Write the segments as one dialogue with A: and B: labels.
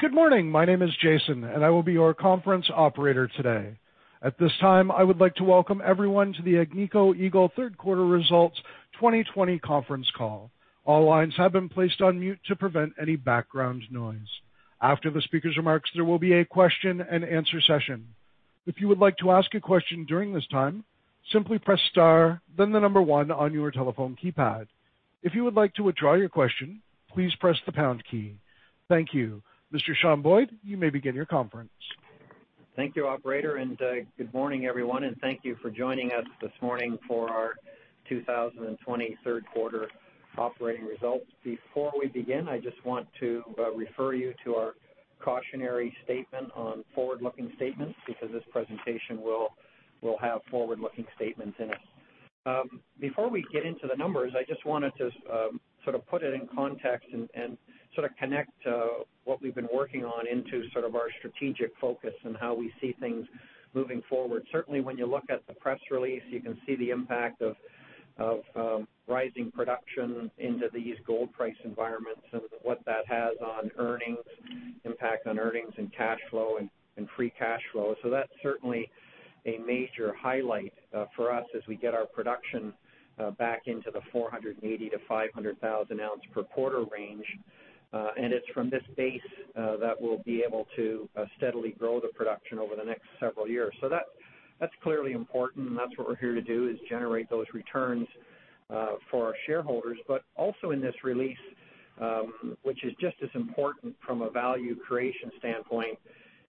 A: Good morning. My name is Jason, and I will be your conference operator today. At this time, I would like to welcome everyone to the Agnico Eagle Third Quarter Results 2020 Conference Call. All lines have been placed on mute to prevent any background noise. After the speaker's remarks, there will be a question and answer session. If you would like to ask a question during this time, simply press star, then the number one on your telephone keypad. If you would like to withdraw your question, please press the pound key. Thank you. Mr. Sean Boyd, you may begin your conference.
B: Thank you, operator, good morning, everyone, and thank you for joining us this morning for our 2020 third quarter operating results. Before we begin, I just want to refer you to our cautionary statement on forward-looking statements, because this presentation will have forward-looking statements in it. Before we get into the numbers, I just wanted to put it in context and connect what we've been working on into our strategic focus and how we see things moving forward. Certainly, when you look at the press release, you can see the impact of rising production into these gold price environments and what that has on earnings, cash flow and free cash flow. That's certainly a major highlight for us as we get our production back into the 480,000-500,000 ounce per quarter range. It's from this base that we'll be able to steadily grow the production over the next several years. That's clearly important, and that's what we're here to do, is generate those returns for our shareholders. Also in this release, which is just as important from a value creation standpoint,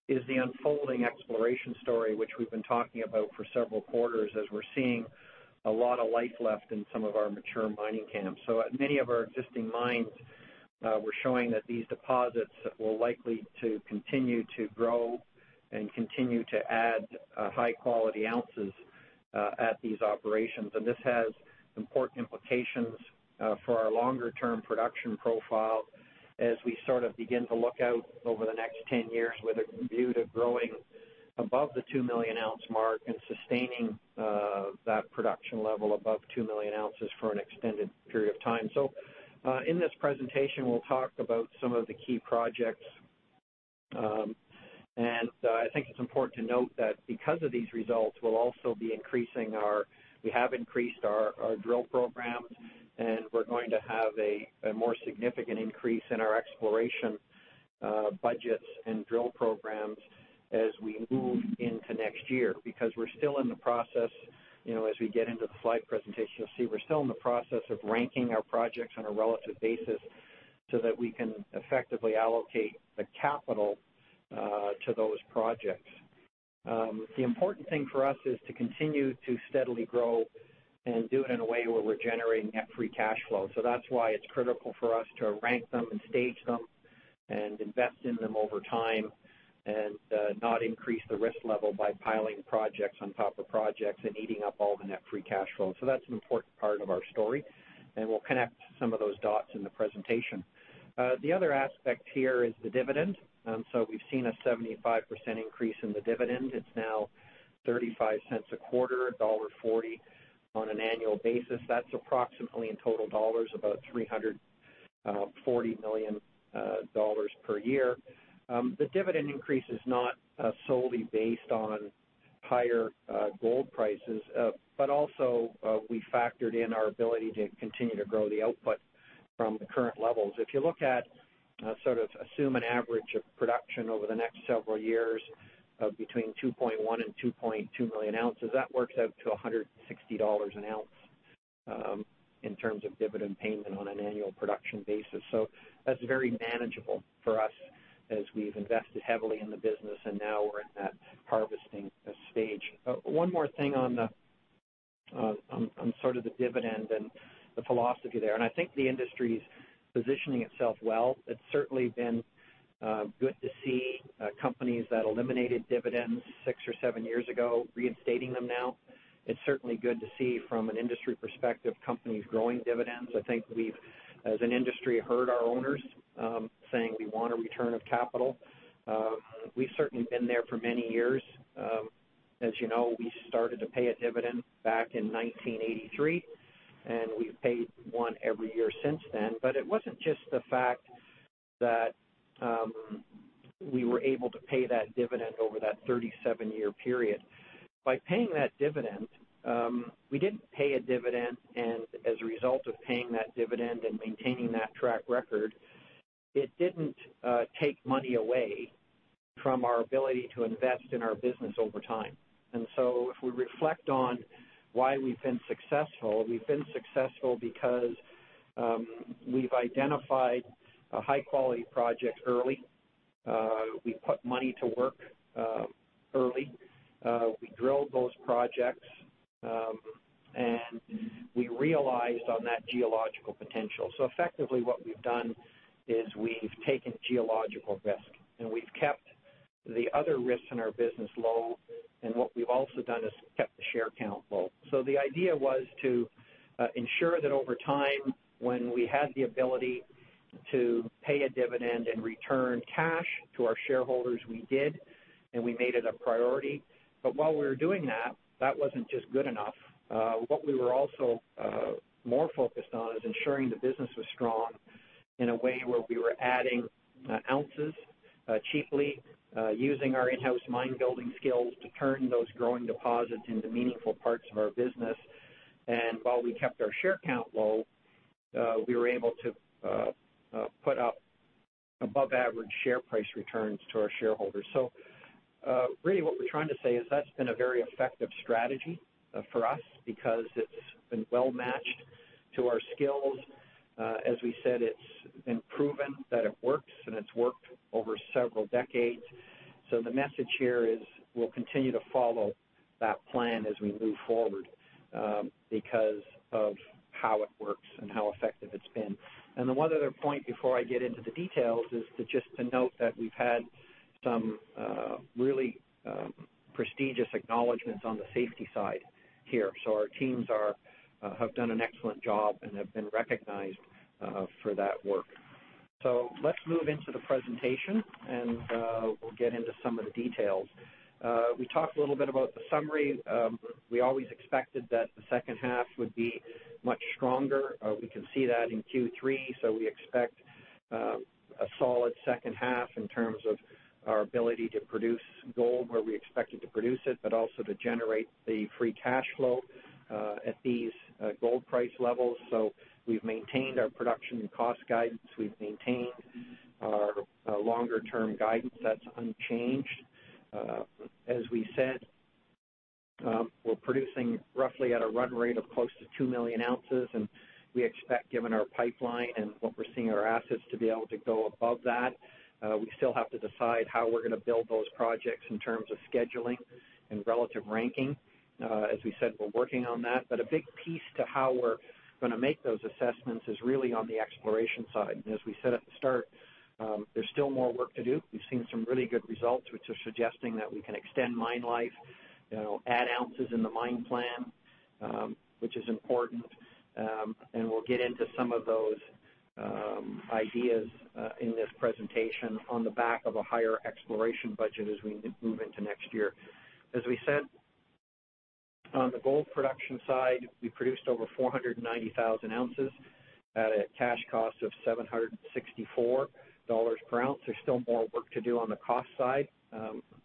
B: is the unfolding exploration story, which we've been talking about for several quarters as we're seeing a lot of life left in some of our mature mining camps. At many of our existing mines, we're showing that these deposits are likely to continue to grow and continue to add high-quality ounces at these operations. This has important implications for our longer-term production profile as we begin to look out over the next 10 years with a view to growing above the 2 million ounce mark and sustaining that production level above 2 million ounces for an extended period of time. In this presentation, we'll talk about some of the key projects. I think it's important to note that because of these results, We have increased our drill programs, and we're going to have a more significant increase in our exploration budgets and drill programs as we move into next year, because we're still in the process, as we get into the slide presentation, you'll see we're still in the process of ranking our projects on a relative basis so that we can effectively allocate the capital to those projects. The important thing for us is to continue to steadily grow and do it in a way where we're generating net free cash flow. That's why it's critical for us to rank them and stage them and invest in them over time and not increase the risk level by piling projects on top of projects and eating up all the net free cash flow. That's an important part of our story, and we'll connect some of those dots in the presentation. The other aspect here is the dividend. We've seen a 75% increase in the dividend. It's now $0.35 a quarter, $1.40 on an annual basis. That's approximately, in total dollars, about $340 million per year. The dividend increase is not solely based on higher gold prices, but also, we factored in our ability to continue to grow the output from the current levels. If you look at, assume an average of production over the next several years of between 2.1 million and 2.2 million ounces, that works out to 160 dollars an ounce in terms of dividend payment on an annual production basis. That's very manageable for us as we've invested heavily in the business, and now we're in that harvesting stage. One more thing on the dividend and the philosophy there, and I think the industry's positioning itself well. It's certainly been good to see companies that eliminated dividends six or seven years ago, reinstating them now. It's certainly good to see from an industry perspective, companies growing dividends. I think we've, as an industry, heard our owners, saying, "We want a return of capital." We've certainly been there for many years. As you know, we started to pay a dividend back in 1983, and we've paid one every year since then. It wasn't just the fact that we were able to pay that dividend over that 37-year period. By paying that dividend, we didn't pay a dividend, and as a result of paying that dividend and maintaining that track record, it didn't take money away from our ability to invest in our business over time. If we reflect on why we've been successful, we've been successful because we've identified a high-quality project early. We put money to work early. We drilled those projects, and we realized on that geological potential. Effectively what we've done is we've taken geological risk, and we've kept the other risks in our business low. What we've also done is kept the share count low. The idea was to ensure that over time, when we had the ability to pay a dividend and return cash to our shareholders, we did, and we made it a priority. While we were doing that wasn't just good enough. What we were also more focused on is ensuring the business was strong in a way where we were adding ounces cheaply, using our in-house mine-building skills to turn those growing deposits into meaningful parts of our business. While we kept our share count low, we were able to put up above average share price returns to our shareholders. Really what we're trying to say is that's been a very effective strategy for us because it's been well-matched to our skills. As we said, it's been proven that it works, and it's worked over several decades. The message here is we'll continue to follow that plan as we move forward, because of how it works and how effective it's been. The one other point before I get into the details is to just to note that we've had some really prestigious acknowledgments on the safety side here. Our teams have done an excellent job and have been recognized for that work. Let's move into the presentation, and we'll get into some of the details. We talked a little bit about the summary. We always expected that the second half would be much stronger. We can see that in Q3. We expect a solid second half in terms of our ability to produce gold where we expected to produce it, but also to generate the free cash flow, at these gold price levels. We've maintained our production and cost guidance. We've maintained our longer-term guidance. That's unchanged. As we said, we're producing roughly at a run rate of close to 2 million ounces, and we expect, given our pipeline and what we're seeing in our assets, to be able to go above that. We still have to decide how we're going to build those projects in terms of scheduling and relative ranking. As we said, we're working on that. A big piece to how we're going to make those assessments is really on the exploration side. As we said at the start, there's still more work to do. We've seen some really good results, which are suggesting that we can extend mine life, add ounces in the mine plan, which is important. We'll get into some of those ideas in this presentation on the back of a higher exploration budget as we move into next year. As we said, on the gold production side, we produced over 490,000 ounces at a cash cost of $764 per ounce. There's still more work to do on the cost side.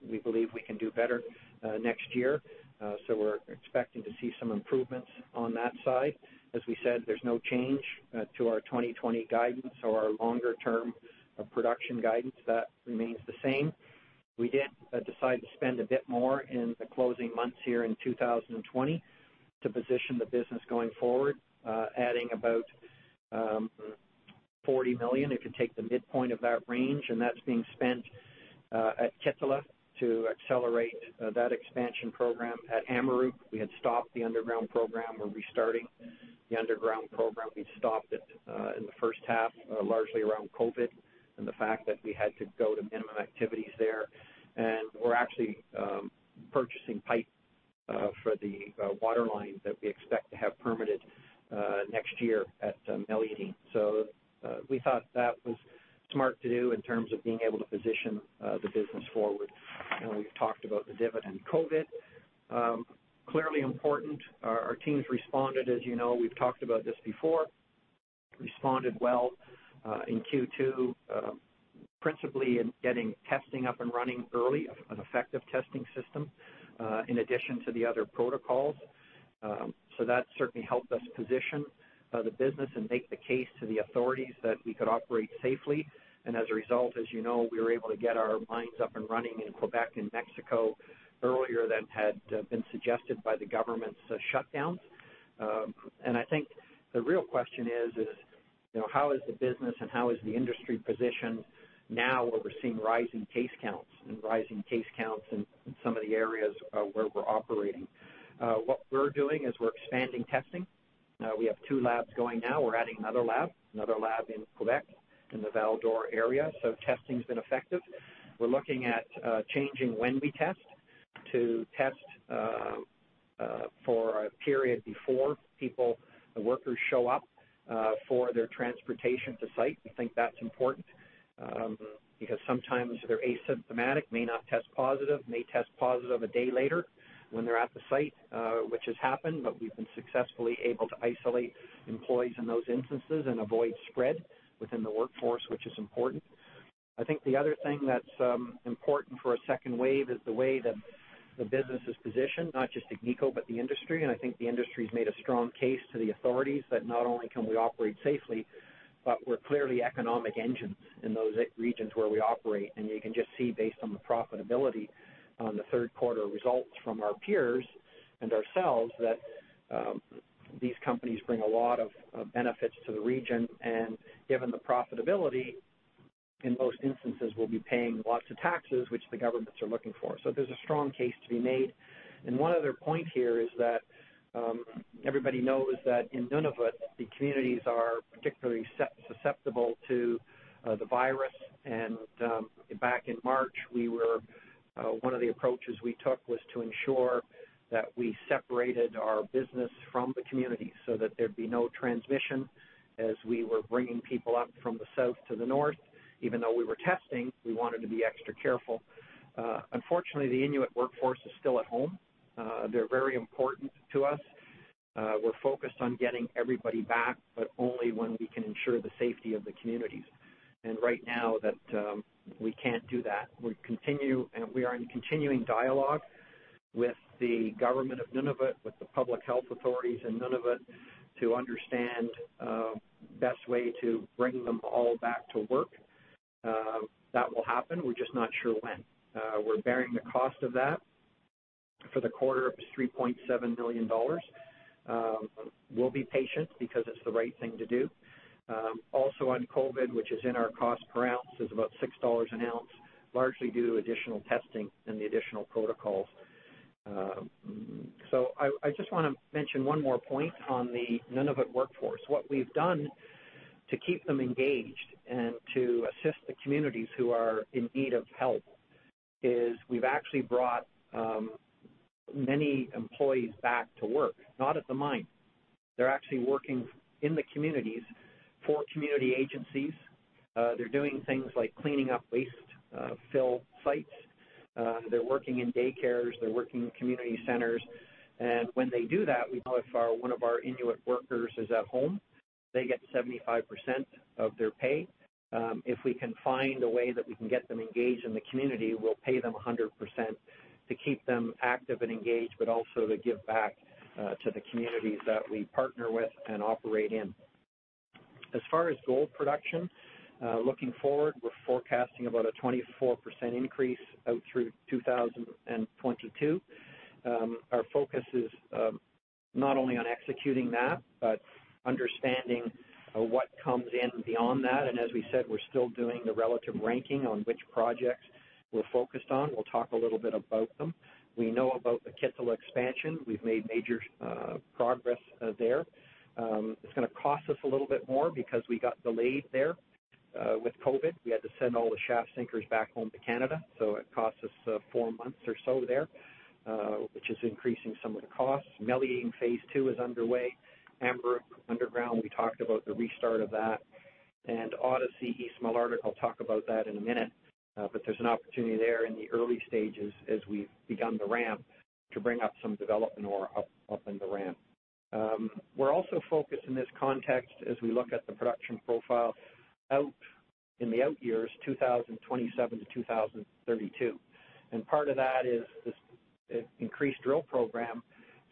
B: We believe we can do better next year, so we're expecting to see some improvements on that side. As we said, there's no change to our 2020 guidance or our longer-term production guidance. That remains the same. We did decide to spend a bit more in the closing months here in 2020 to position the business going forward, adding about $40 million. It can take the midpoint of that range, and that's being spent at Kittilä to accelerate that expansion program. At Amaruq, we had stopped the underground program. We're restarting the underground program. We stopped it in the first half, largely around COVID and the fact that we had to go to minimum activities there. We're actually purchasing pipe for the waterline that we expect to have permitted next year at Meliadine. We thought that was smart to do in terms of being able to position the business forward. We've talked about the dividend. COVID, clearly important. Our teams responded, as you know, we've talked about this before, responded well, in Q2, principally in getting testing up and running early, an effective testing system, in addition to the other protocols. That certainly helped us position the business and make the case to the authorities that we could operate safely. As a result, as you know, we were able to get our mines up and running in Québec and Mexico earlier than had been suggested by the government's shutdowns. I think the real question is, how is the business and how is the industry positioned now where we're seeing rising case counts and rising case counts in some of the areas where we're operating? What we're doing is we're expanding testing. We have two labs going now. We're adding another lab, another lab in Quebec in the Val-d'Or area. Testing's been effective. We're looking at changing when we test to test for a period before people, workers show up for their transportation to site. We think that's important, because sometimes they're asymptomatic, may not test positive, may test positive a day later when they're at the site, which has happened, but we've been successfully able to isolate employees in those instances and avoid spread within the workforce, which is important. I think the other thing that's important for a second wave is the way that the business is positioned, not just Agnico, but the industry. I think the industry's made a strong case to the authorities that not only can we operate safely, but we're clearly economic engines in those regions where we operate. You can just see based on the profitability on the third quarter results from our peers and ourselves, that these companies bring a lot of benefits to the region, and given the profitability, in most instances, we'll be paying lots of taxes, which the governments are looking for. There's a strong case to be made. One other point here is that, everybody knows that in Nunavut, the communities are particularly susceptible to the virus. Back in March, one of the approaches we took was to ensure that we separated our business from the community so that there'd be no transmission as we were bringing people up from the south to the north. Even though we were testing, we wanted to be extra careful. Unfortunately, the Inuit workforce is still at home. They're very important to us. We're focused on getting everybody back, but only when we can ensure the safety of the communities. Right now, we can't do that. We are in continuing dialogue with the government of Nunavut, with the public health authorities in Nunavut, to understand the best way to bring them all back to work. That will happen, we're just not sure when. We're bearing the cost of that for the quarter of 3.7 million dollars. We'll be patient because it's the right thing to do. Also on COVID, which is in our cost per ounce, is about $6 an ounce, largely due to additional testing and the additional protocols. I just want to mention one more point on the Nunavut workforce. What we've done to keep them engaged and to assist the communities who are in need of help is we've actually brought many employees back to work, not at the mine. They're actually working in the communities for community agencies. They're doing things like cleaning up waste fill sites. They're working in daycares. They're working in community centers. When they do that, we know if one of our Inuit workers is at home, they get 75% of their pay. If we can find a way that we can get them engaged in the community, we'll pay them 100% to keep them active and engaged, but also to give back to the communities that we partner with and operate in. As far as gold production, looking forward, we're forecasting about a 24% increase out through 2022. Our focus is not only on executing that, but understanding what comes in beyond that. As we said, we're still doing the relative ranking on which projects we're focused on. We'll talk a little bit about them. We know about the Kittilä expansion. We've made major progress there. It's going to cost us a little bit more because we got delayed there with COVID. We had to send all the shaft sinkers back home to Canada, so it cost us four months or so there, which is increasing some of the costs. Meliadine phase II is underway. Amaruq Underground, we talked about the restart of that. Odyssey, East Malartic, I'll talk about that in a minute. There's an opportunity there in the early stages as we've begun the ramp to bring up some development ore up in the ramp. We're also focused in this context as we look at the production profile in the out years, 2027 to 2032. Part of that is this increased drill program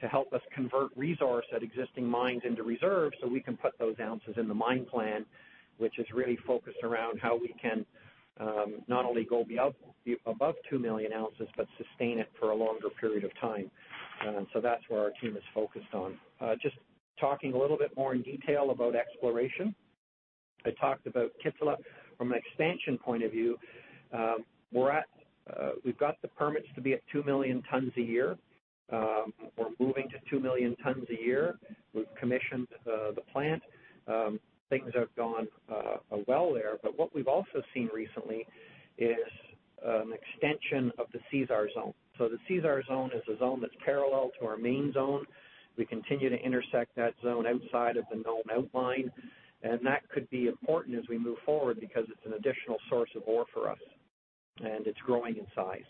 B: to help us convert resource at existing mines into reserves, so we can put those ounces in the mine plan, which is really focused around how we can not only go above 2 million ounces, but sustain it for a longer period of time. That's where our team is focused on. Just talking a little bit more in detail about exploration. I talked about Kittilä from an expansion point of view. We've got the permits to be at 2 million tons a year. We're moving to 2 million tons a year. We've commissioned the plant. Things have gone well there. What we've also seen recently is an extension of the Sisar Zone. The Sisar Zone is a zone that's parallel to our main zone. We continue to intersect that zone outside of the known outline, and that could be important as we move forward because it's an additional source of ore for us, and it's growing in size.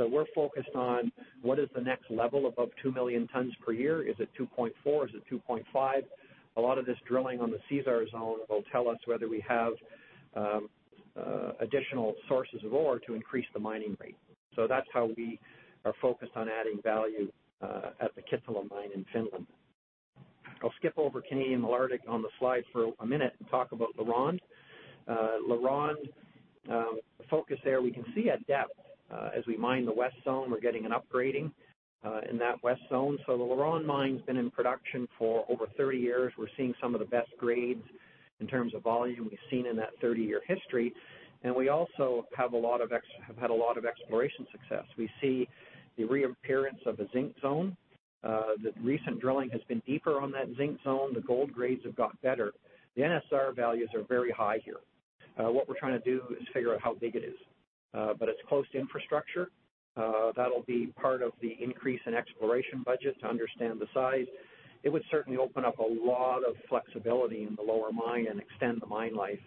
B: We're focused on what is the next level above 2 million tons per year. Is it 2.4? Is it 2.5? A lot of this drilling on the Sisar Zone will tell us whether we have additional sources of ore to increase the mining rate. That's how we are focused on adding value at the Kittilä mine in Finland. I'll skip over Canadian Malartic on the slide for a minute and talk about LaRonde. LaRonde, the focus there, we can see at depth as we mine the west zone, we're getting an upgrading in that west zone. The LaRonde mine's been in production for over 30 years. We're seeing some of the best grades in terms of volume we've seen in that 30-year history, and we also have had a lot of exploration success. We see the reappearance of the zinc zone. The recent drilling has been deeper on that zinc zone. The gold grades have got better. The NSR values are very high here. What we're trying to do is figure out how big it is. It's close to infrastructure. That'll be part of the increase in exploration budget to understand the size. It would certainly open up a lot of flexibility in the lower mine and extend the mine life.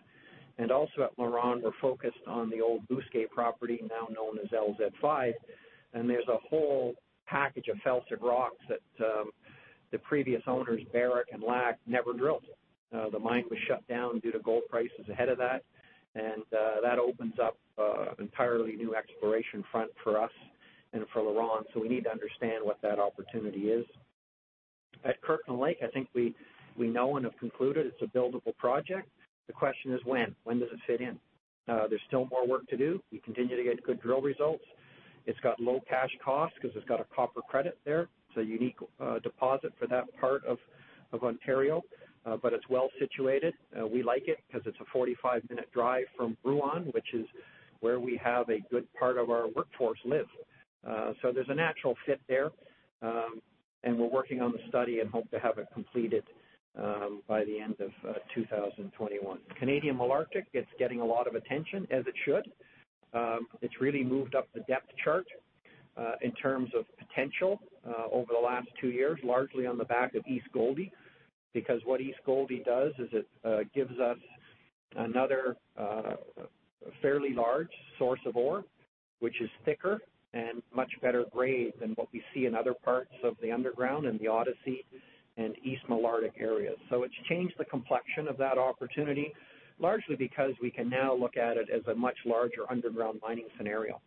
B: Also at LaRonde, we're focused on the old Bousquet property, now known as LZ5, and there's a whole package of felsic rocks that the previous owners, Barrick and Lac, never drilled. The mine was shut down due to gold prices ahead of that opens up an entirely new exploration front for us and for LaRonde. We need to understand what that opportunity is. At Kirkland Lake, I think we know and have concluded it's a buildable project. The question is when? When does it fit in? There's still more work to do. We continue to get good drill results. It's got low cash cost because it's got a copper credit there. It's a unique deposit for that part of Ontario. It's well-situated. We like it because it's a 45-minute drive from Rouyn, which is where we have a good part of our workforce live. There's a natural fit there, and we're working on the study and hope to have it completed by the end of 2021. Canadian Malartic, it's getting a lot of attention, as it should. It's really moved up the depth chart, in terms of potential, over the last two years, largely on the back of East Gouldie. What East Gouldie does is it gives us another fairly large source of ore, which is thicker and much better grade than what we see in other parts of the underground, in the Odyssey and East Malartic areas. It's changed the complexion of that opportunity, largely because we can now look at it as a much larger underground mining scenario.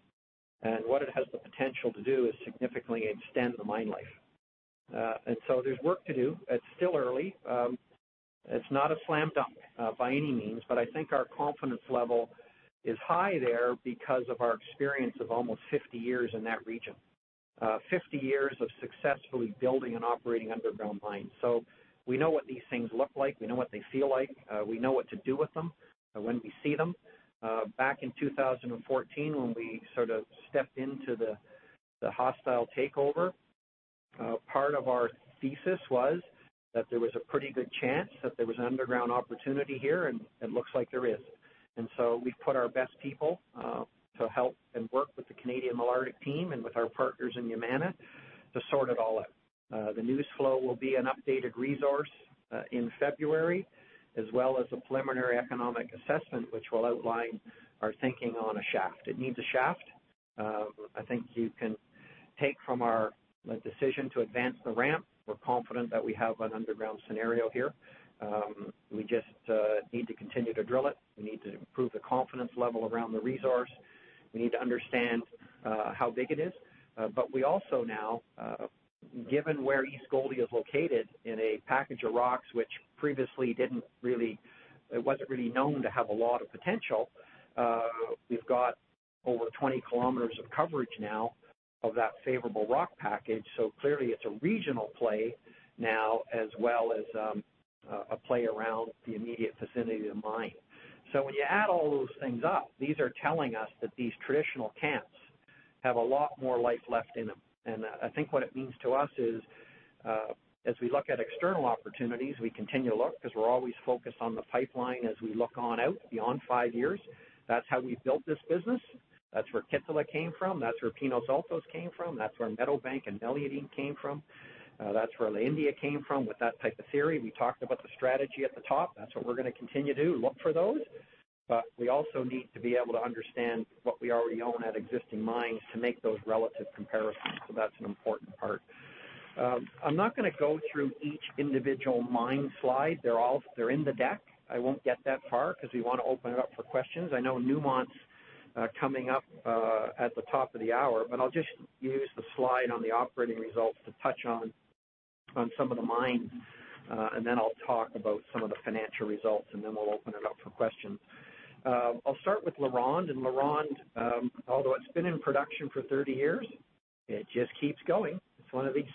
B: What it has the potential to do is significantly extend the mine life. There's work to do. It's still early. It's not a slam dunk by any means, but I think our confidence level is high there because of our experience of almost 50 years in that region. 50 years of successfully building and operating underground mines. We know what these things look like, we know what they feel like, we know what to do with them when we see them. Back in 2014, when we sort of stepped into the hostile takeover, part of our thesis was that there was a pretty good chance that there was an underground opportunity here, and it looks like there is. We put our best people to help and work with the Canadian Malartic team and with our partners in Yamana to sort it all out. The news flow will be an updated resource, in February, as well as a preliminary economic assessment, which will outline our thinking on a shaft. It needs a shaft. I think you can take from our decision to advance the ramp, we're confident that we have an underground scenario here. We just need to continue to drill it. We need to improve the confidence level around the resource. We need to understand how big it is. We also now, given where East Gouldie is located in a package of rocks, which previously it wasn't really known to have a lot of potential. We've got over 20 km of coverage now of that favorable rock package. Clearly it's a regional play now as well as a play around the immediate vicinity of the mine. When you add all those things up, these are telling us that these traditional camps have a lot more life left in them. I think what it means to us is, as we look at external opportunities, we continue to look because we're always focused on the pipeline as we look on out beyond five years. That's how we built this business. That's where Kittilä came from, that's where Pinos Altos came from, that's where Meadowbank and Meliadine came from, that's where La India came from with that type of theory. We talked about the strategy at the top. That's what we're going to continue to do, look for those. We also need to be able to understand what we already own at existing mines to make those relative comparisons. That's an important part. I'm not going to go through each individual mine slide. They're in the deck. I won't get that far because we want to open it up for questions. I know Newmont's coming up at the top of the hour, but I'll just use the slide on the operating results to touch on some of the mines, and then I'll talk about some of the financial results, and then we'll open it up for questions. I'll start with LaRonde. LaRonde, although it's been in production for 30 years, it just keeps going. It's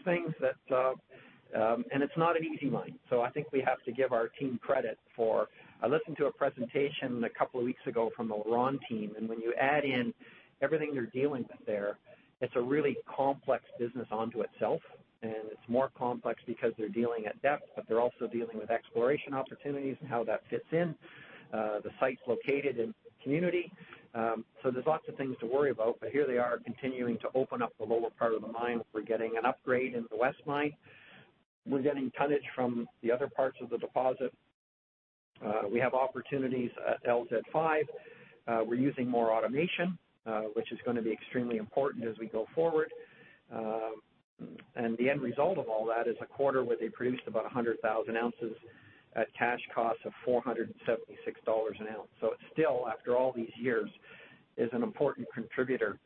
B: not an easy mine. I think we have to give our team credit for I listened to a presentation a couple of weeks ago from the LaRonde team, and when you add in everything they're dealing with there, it's a really complex business unto itself, and it's more complex because they're dealing at depth, but they're also dealing with exploration opportunities and how that fits in. The site's located in community. There's lots of things to worry about, but here they are continuing to open up the lower part of the mine. We're getting an upgrade in the west mine. We're getting tonnage from the other parts of the deposit. We have opportunities at LZ5. We're using more automation, which is going to be extremely important as we go forward. The end result of all that is a quarter where they produced about 100,000 ounces at cash cost of 476 dollars an ounce. It still, after all these years, is an important contributor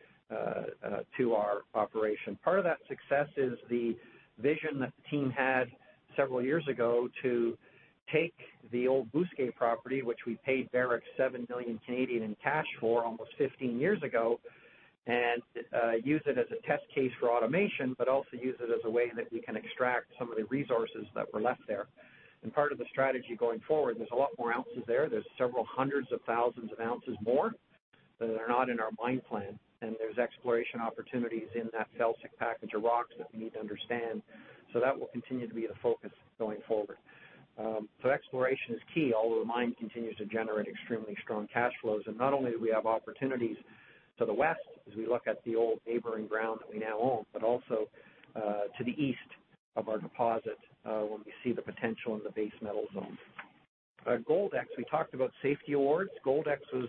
B: to our operation. Part of that success is the vision that the team had several years ago to take the old Bousquet property, which we paid Barrick 7 million Canadian dollars in cash for almost 15 years ago, and use it as a test case for automation, but also use it as a way that we can extract some of the resources that were left there. Part of the strategy going forward, there's a lot more ounces there. There's several hundreds of thousands of ounces more that are not in our mine plan, and there's exploration opportunities in that felsic package of rocks that we need to understand. That will continue to be the focus going forward. Exploration is key, although the mine continues to generate extremely strong cash flows. Not only do we have opportunities to the west as we look at the old neighboring ground that we now own, but also to the east of our deposit, where we see the potential in the base metal zones. Goldex, we talked about safety awards. Goldex was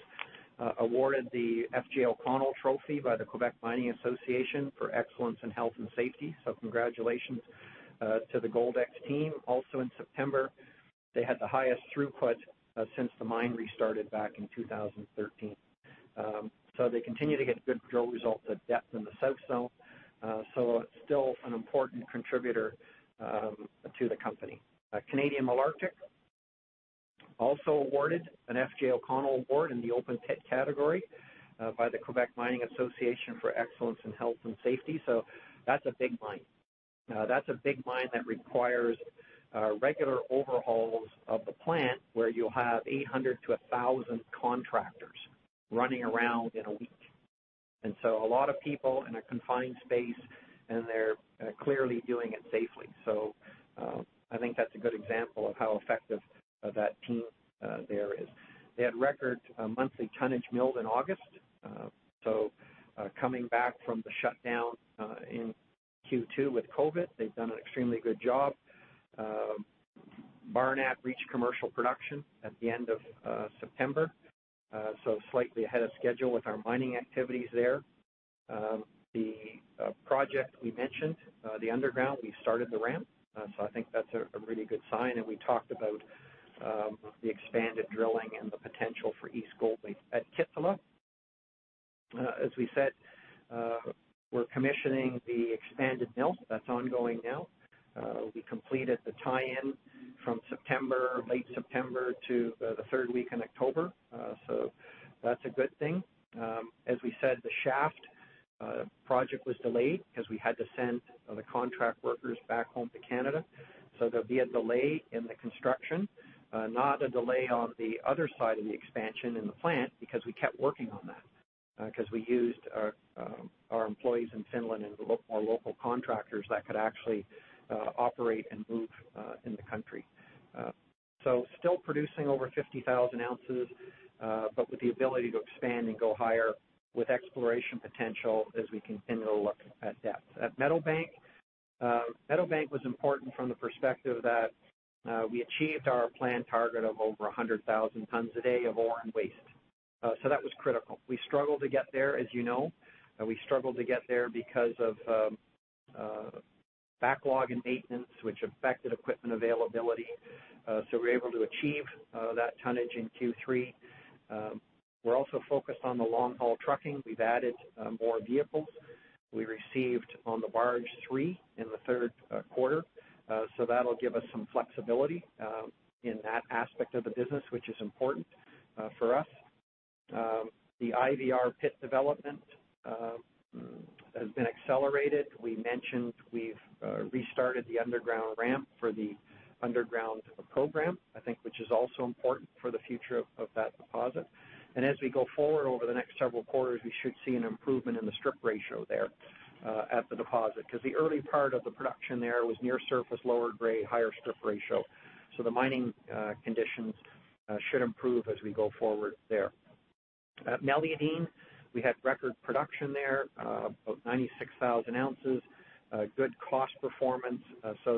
B: awarded the F.J. O'Connell Trophy by the Québec Mining Association for excellence in health and safety. Congratulations to the Goldex team. Also in September, they had the highest throughput since the mine restarted back in 2013. They continue to get good drill results at depth in the south zone. It's still an important contributor to the company. Canadian Malartic also awarded an F.J. O'Connell Award in the open pit category, by the Québec Mining Association for excellence in health and safety. That's a big mine. That's a big mine that requires regular overhauls of the plant, where you'll have 800 to 1,000 contractors running around in a week. A lot of people in a confined space, and they're clearly doing it safely. I think that's a good example of how effective that team there is. They had record monthly tonnage milled in August. Coming back from the shutdown in Q2 with COVID, they've done an extremely good job. Barnat reached commercial production at the end of September, so slightly ahead of schedule with our mining activities there. The project we mentioned, the underground, we've started the ramp, so I think that's a really good sign, and we talked about the expanded drilling and the potential for East Gouldie at Kittilä. As we said, we're commissioning the expanded mill. That's ongoing now. We completed the tie-in from late September to the third week in October. That's a good thing. As we said, the shaft project was delayed because we had to send the contract workers back home to Canada. There'll be a delay in the construction, not a delay on the other side of the expansion in the plant, because we kept working on that. Because we used our employees in Finland and more local contractors that could actually operate and move in the country. Still producing over 50,000 ounces, but with the ability to expand and go higher with exploration potential as we continue to look at depth. At Meadowbank was important from the perspective that we achieved our planned target of over 100,000 tons a day of ore and waste. That was critical. We struggled to get there, as you know. We struggled to get there because of backlog in maintenance, which affected equipment availability. We were able to achieve that tonnage in Q3. We're also focused on the long-haul trucking. We've added more vehicles. We received, on the barge, three in the third quarter. That'll give us some flexibility in that aspect of the business, which is important for us. The IVR pit development has been accelerated. We mentioned we've restarted the underground ramp for the underground program, I think, which is also important for the future of that deposit. As we go forward over the next several quarters, we should see an improvement in the strip ratio there at the deposit. The early part of the production there was near surface, lower grade, higher strip ratio. The mining conditions should improve as we go forward there. At Meliadine, we had record production there of 96,000 ounces. Good cost performance.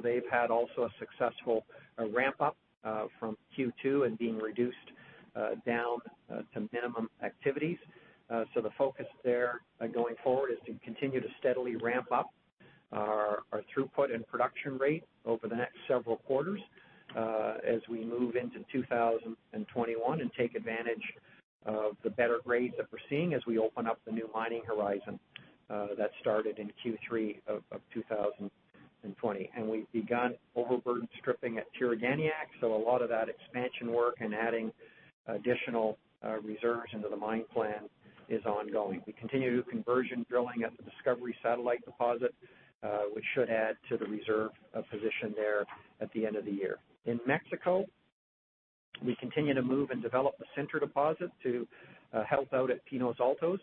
B: They've had also a successful ramp-up from Q2 and being reduced down to minimum activities. The focus there going forward is to continue to steadily ramp up our throughput and production rate over the next several quarters, as we move into 2021 and take advantage of the better grades that we're seeing as we open up the new mining horizon that started in Q3 of 2020. We've begun overburden stripping at Tiriganiaq, so a lot of that expansion work and adding additional reserves into the mine plan is ongoing. We continue conversion drilling at the Discovery satellite deposit, which should add to the reserve position there at the end of the year. In Mexico, we continue to move and develop the Sinter Deposit to help out at Pinos Altos.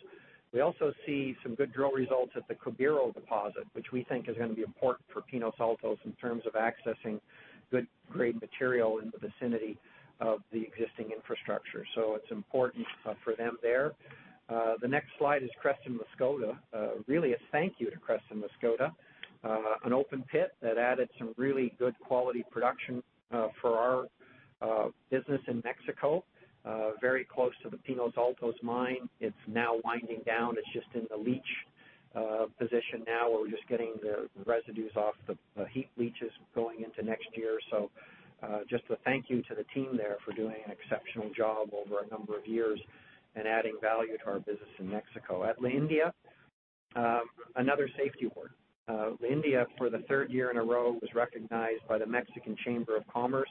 B: We also see some good drill results at the Cubiro Deposit, which we think is going to be important for Pinos Altos in terms of accessing good grade material in the vicinity of the existing infrastructure. It's important for them there. The next slide is Creston Mascota. Really a thank you to Creston Mascota. An open pit that added some really good quality production for our business in Mexico. Very close to the Pinos Altos mine. It's now winding down. It's just in the leach position now where we're just getting the residues off the heap leaches going into next year. Just a thank you to the team there for doing an exceptional job over a number of years and adding value to our business in Mexico. At La India, another safety award. La India, for the third year in a row, was recognized by the Mexican Chamber of Mines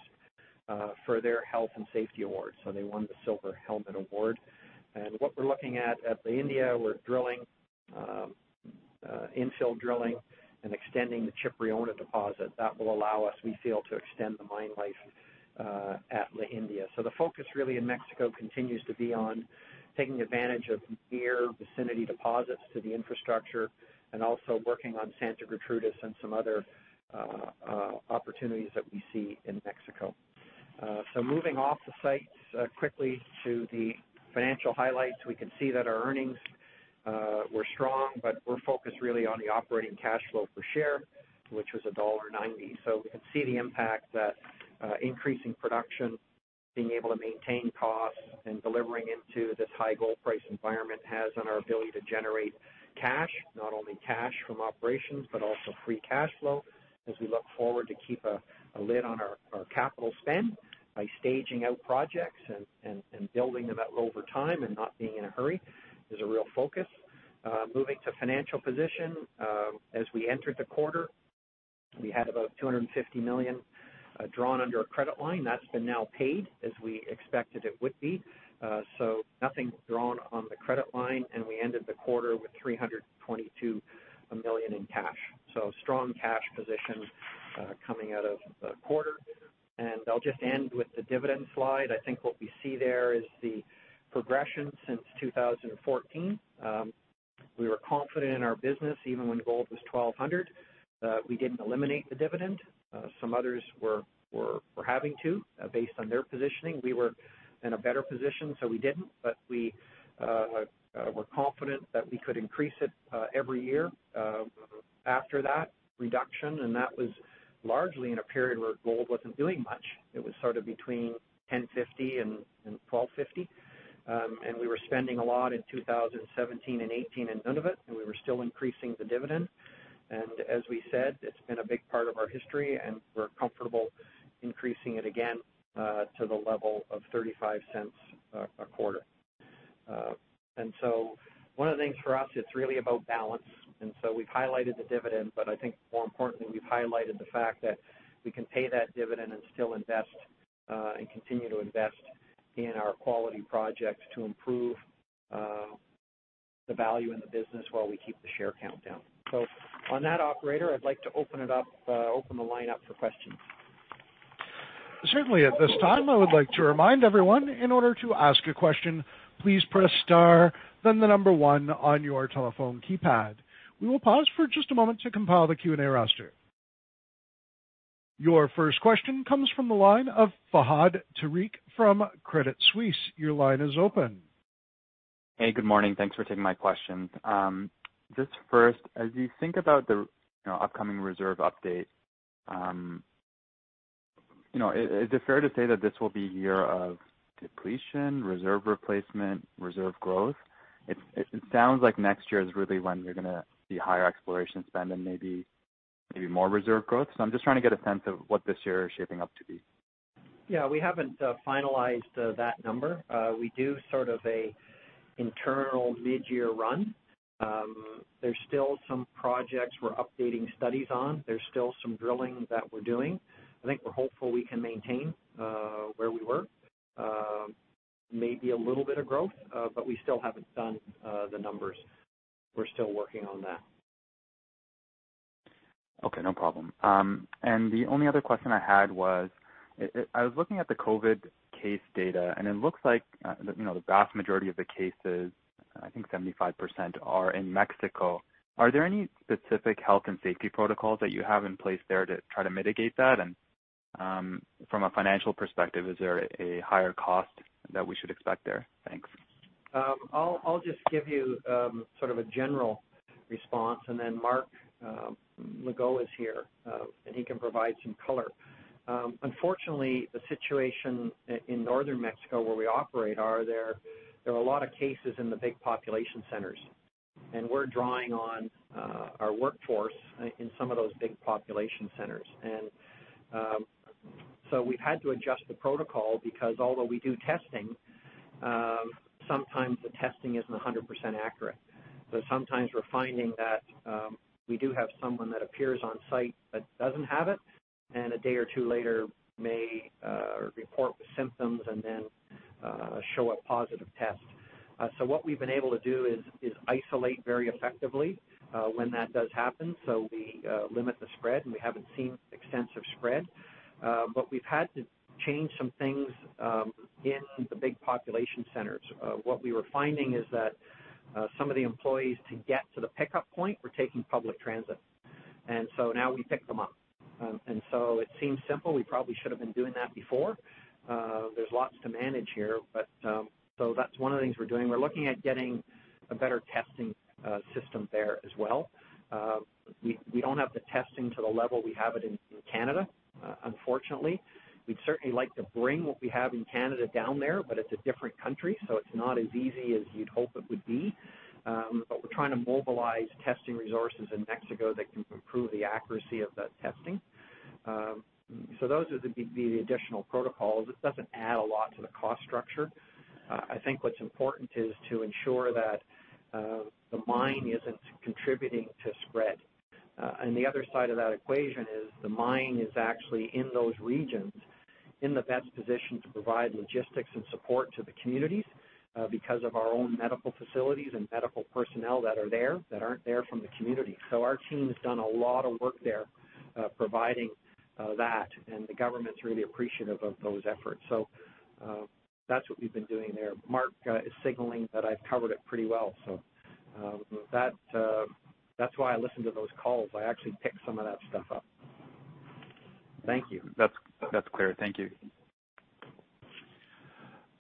B: for their Health and Safety award. They won the Silver Helmet award. What we're looking at La India, we're drilling, infill drilling and extending the Chipriona deposit. That will allow us, we feel, to extend the mine life at La India. The focus really in Mexico continues to be on taking advantage of near vicinity deposits to the infrastructure and also working on Santa Gertrudis and some other opportunities that we see in Mexico. Moving off the sites quickly to the financial highlights, we can see that our earnings were strong, but we're focused really on the operating cash flow per share, which was $1.90. We can see the impact that increasing production, being able to maintain costs, and delivering into this high gold price environment has on our ability to generate cash. Not only cash from operations, but also free cash flow as we look forward to keep a lid on our capital spend by staging out projects and building them out over time and not being in a hurry is a real focus. Moving to financial position. As we entered the quarter, we had about 250 million drawn under a credit line. That's been now paid as we expected it would be. Nothing drawn on the credit line, and we ended the quarter with CAD 322 million in cash. Strong cash position coming out of the quarter. I'll just end with the dividend slide. I think what we see there is the progression since 2014. We were confident in our business even when gold was 1,200. We didn't eliminate the dividend. Some others were having to, based on their positioning. We were in a better position, so we didn't. We were confident that we could increase it every year after that reduction, and that was largely in a period where gold wasn't doing much. It was sort of between 1,050 and 1,250. We were spending a lot in 2017 and 2018 in Nunavut, and we were still increasing the dividend. As we said, it's been a big part of our history, and we're comfortable increasing it again, to the level of $0.35 a quarter. One of the things for us, it's really about balance. We've highlighted the dividend, but I think more importantly, we've highlighted the fact that we can pay that dividend and still invest, and continue to invest in our quality projects to improve the value in the business while we keep the share count down. On that, operator, I'd like to open the line up for questions.
A: Certainly. At this time, I would like to remind everyone in order to ask a question, please press star then number one on your telephone keypad. We will pause for just a moment to compile the Q&A roster. Your first question comes from the line of Fahad Tariq from Credit Suisse.
C: Hey, good morning. Thanks for taking my questions. Just first, as you think about the upcoming reserve update, is it fair to say that this will be a year of depletion, reserve replacement, reserve growth? It sounds like next year is really when you're going to see higher exploration spend and maybe more reserve growth. I'm just trying to get a sense of what this year is shaping up to be.
B: We haven't finalized that number. We do sort of an internal mid-year run. There's still some projects we're updating studies on. There's still some drilling that we're doing. I think we're hopeful we can maintain where we were. Maybe a little bit of growth, but we still haven't done the numbers. We're still working on that.
C: Okay, no problem. The only other question I had was, I was looking at the COVID case data, and it looks like the vast majority of the cases, I think 75%, are in Mexico. Are there any specific health and safety protocols that you have in place there to try to mitigate that? From a financial perspective, is there a higher cost that we should expect there? Thanks.
B: I'll just give you sort of a general response. Then Marc Legault is here, he can provide some color. Unfortunately, the situation in Northern Mexico where we operate, there are a lot of cases in the big population centers. We're drawing on our workforce in some of those big population centers. We've had to adjust the protocol because although we do testing, sometimes the testing isn't 100% accurate. Sometimes we're finding that we do have someone that appears on site that doesn't have it. A day or two later may report with symptoms and then show a positive test. What we've been able to do is isolate very effectively when that does happen. We limit the spread. We haven't seen extensive spread. We've had to change some things in the big population centers. What we were finding is that some of the employees to get to the pickup point were taking public transit. Now we pick them up. It seems simple. We probably should have been doing that before. There's lots to manage here, that's one of the things we're doing. We're looking at getting a better testing system there as well. We don't have the testing to the level we have it in Canada, unfortunately. We'd certainly like to bring what we have in Canada down there, but it's a different country, so it's not as easy as you'd hope it would be. We're trying to mobilize testing resources in Mexico that can improve the accuracy of the testing. Those are the additional protocols. It doesn't add a lot to the cost structure. I think what's important is to ensure that the mine isn't contributing to spread. The other side of that equation is the mine is actually in those regions in the best position to provide logistics and support to the communities, because of our own medical facilities and medical personnel that are there that aren't there from the community. Our team has done a lot of work there, providing that, and the government's really appreciative of those efforts. That's what we've been doing there. Marc is signaling that I've covered it pretty well. That's why I listen to those calls. I actually pick some of that stuff up.
C: Thank you. That's clear. Thank you.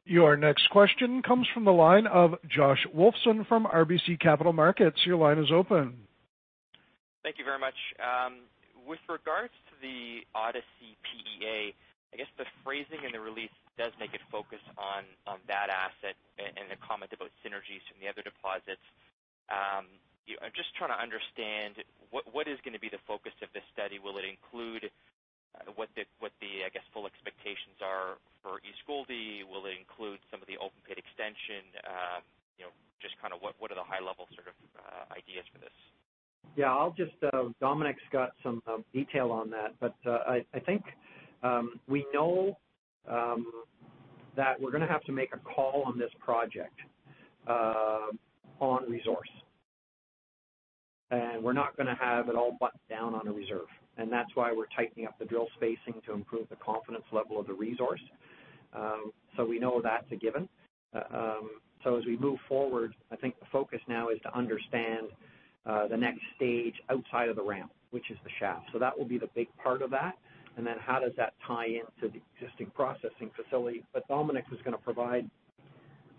A: Your next question comes from the line of Josh Wolfson from RBC Capital Markets. Your line is open.
D: Thank you very much. With regards to the Odyssey PEA, I guess the phrasing in the release does make it focus on that asset and a comment about synergies from the other deposits. I'm just trying to understand what is going to be the focus of this study. Will it include what the, I guess, full expectations are for East Gouldie? Will it include some of the open pit extension? What are the high level sort of ideas for this?
B: Yeah, Dominique's got some detail on that, but I think, we know that we're going to have to make a call on this project on resource. And we're not going to have it all buttoned down on a reserve. That's why we're tightening up the drill spacing to improve the confidence level of the resource. We know that's a given. As we move forward, I think the focus now is to understand, the next stage outside of the ramp, which is the shaft. That will be the big part of that. How does that tie into the existing processing facility? Dominique is going to provide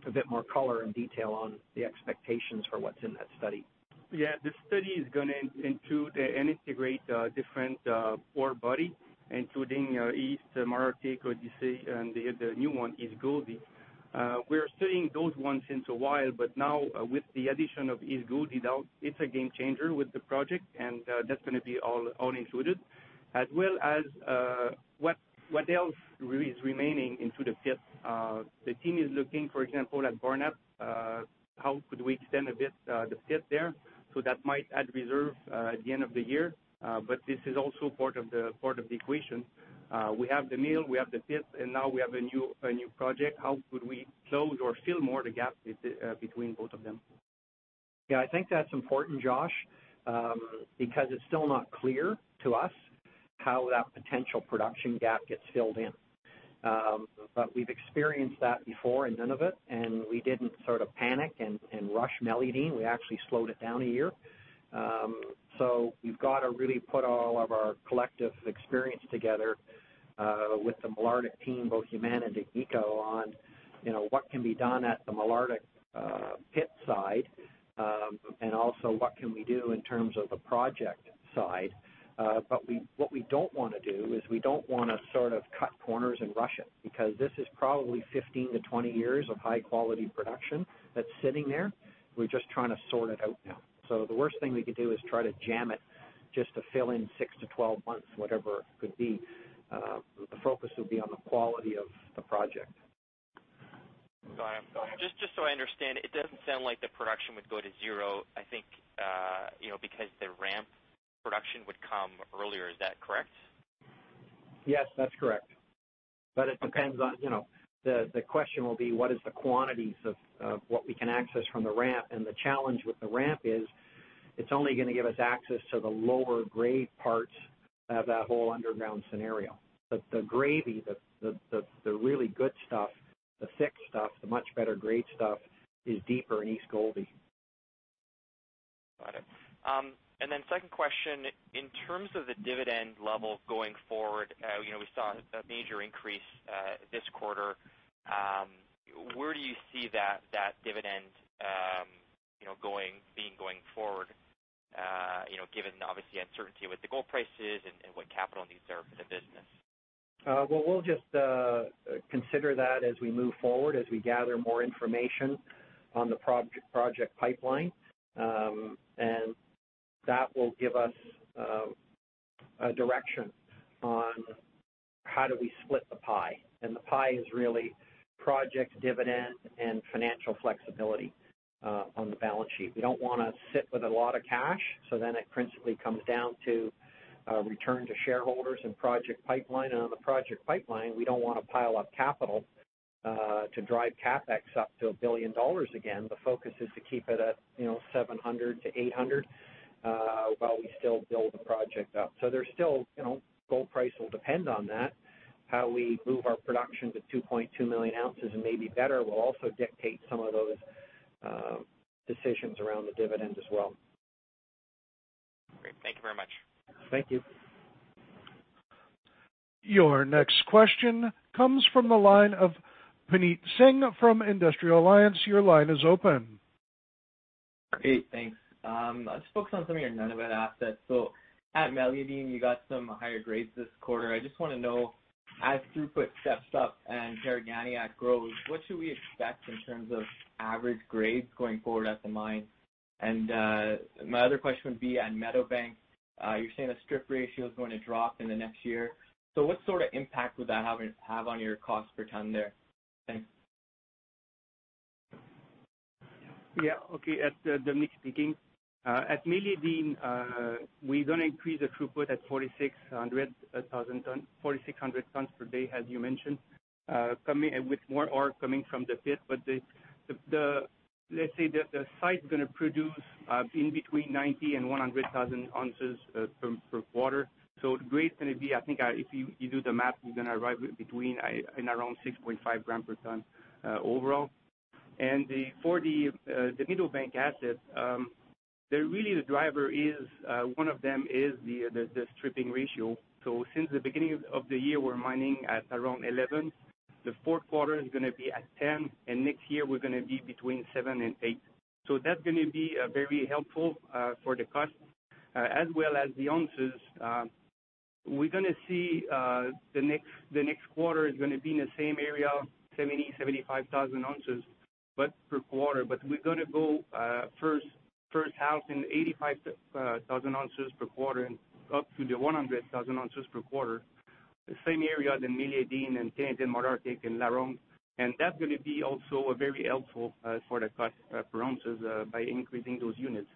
B: a bit more color and detail on the expectations for what's in that study.
E: This study is going to include and integrate different orebody, including East Malartic, as you say, and the new one, East Gouldie. Now with the addition of East Gouldie, now it's a game changer with the project, that's going to be all included, as well as what else is remaining into the pit. The team is looking, for example, at Barnat, how could we extend a bit, the pit there? That might add reserve, at the end of the year. This is also part of the equation. We have the mill, we have the pit, now we have a new project. How could we close or fill more the gap between both of them?
B: Yeah, I think that's important, Josh, because it's still not clear to us how that potential production gap gets filled in. We've experienced that before in Nunavut, and we didn't sort of panic and rush Meliadine. We actually slowed it down a year. We've got to really put all of our collective experience together, with the Malartic team, both Yamana and Agnico on what can be done at the Malartic pit side, and also what can we do in terms of the project side. What we don't want to do is we don't want to sort of cut corners and rush it, because this is probably 15-20 years of high-quality production that's sitting there. We're just trying to sort it out now. The worst thing we could do is try to jam it just to fill in 6-12 months, whatever it could be. The focus will be on the quality of the project.
D: Got it. Just so I understand, it doesn't sound like the production would go to zero, I think, because the ramp production would come earlier. Is that correct?
B: Yes, that's correct. The question will be, what is the quantities of what we can access from the ramp? The challenge with the ramp is it's only going to give us access to the lower grade parts of that whole underground scenario. The gravy, the really good stuff, the thick stuff, the much better grade stuff is deeper in East Gouldie.
D: Got it. Second question, in terms of the dividend level going forward, we saw a major increase, this quarter. Where do you see that dividend being going forward, given obviously uncertainty with the gold prices and what capital needs are for the business?
B: Well, we'll just consider that as we move forward, as we gather more information on the project pipeline. That will give us a direction on how do we split the pie. The pie is really project dividend and financial flexibility on the balance sheet. We don't want to sit with a lot of cash, so then it principally comes down to a return to shareholders and project pipeline. On the project pipeline, we don't want to pile up capital, to drive CapEx up to $1 billion again. The focus is to keep it at $700 million-$800 million, while we still build the project up. Gold price will depend on that, how we move our production to 2.2 million ounces and maybe better will also dictate some of those decisions around the dividend as well.
D: Great. Thank you very much.
B: Thank you.
A: Your next question comes from the line of Puneet Singh from Industrial Alliance. Your line is open.
F: Great. Thanks. I'll just focus on some of your Nunavut assets. At Meliadine, you got some higher grades this quarter. I just want to know, as throughput steps up and Tiriganiaq grows, what should we expect in terms of average grades going forward at the mine? My other question would be on Meadowbank. You're saying the strip ratio is going to drop in the next year. What sort of impact would that have on your cost per ton there? Thanks.
E: Yeah. Okay. It's Dominique speaking. At Meliadine, we're going to increase the throughput at 4,600 tons per day, as you mentioned, with more ore coming from the pit. Let's say the site's going to produce in between 90,000 and 100,000 ounces per quarter. The grade's going to be, I think if you do the math, we're going to arrive at between and around 6.5 g per ton overall. For the Meadowbank asset, really the driver is, one of them is the stripping ratio. Since the beginning of the year, we're mining at around 11. The fourth quarter is going to be at 10, and next year, we're going to be between seven and eight. That's going to be very helpful, for the cost, as well as the ounces. We're going to see the next quarter is going to be in the same area, 70,000-75,000 ounces per quarter. We're going to go first half in 85,000 ounces per quarter and up to the 100,000 ounces per quarter. The same area as Meliadine and Malartic and LaRonde. That's going to be also very helpful for the cost per ounces, by increasing those units.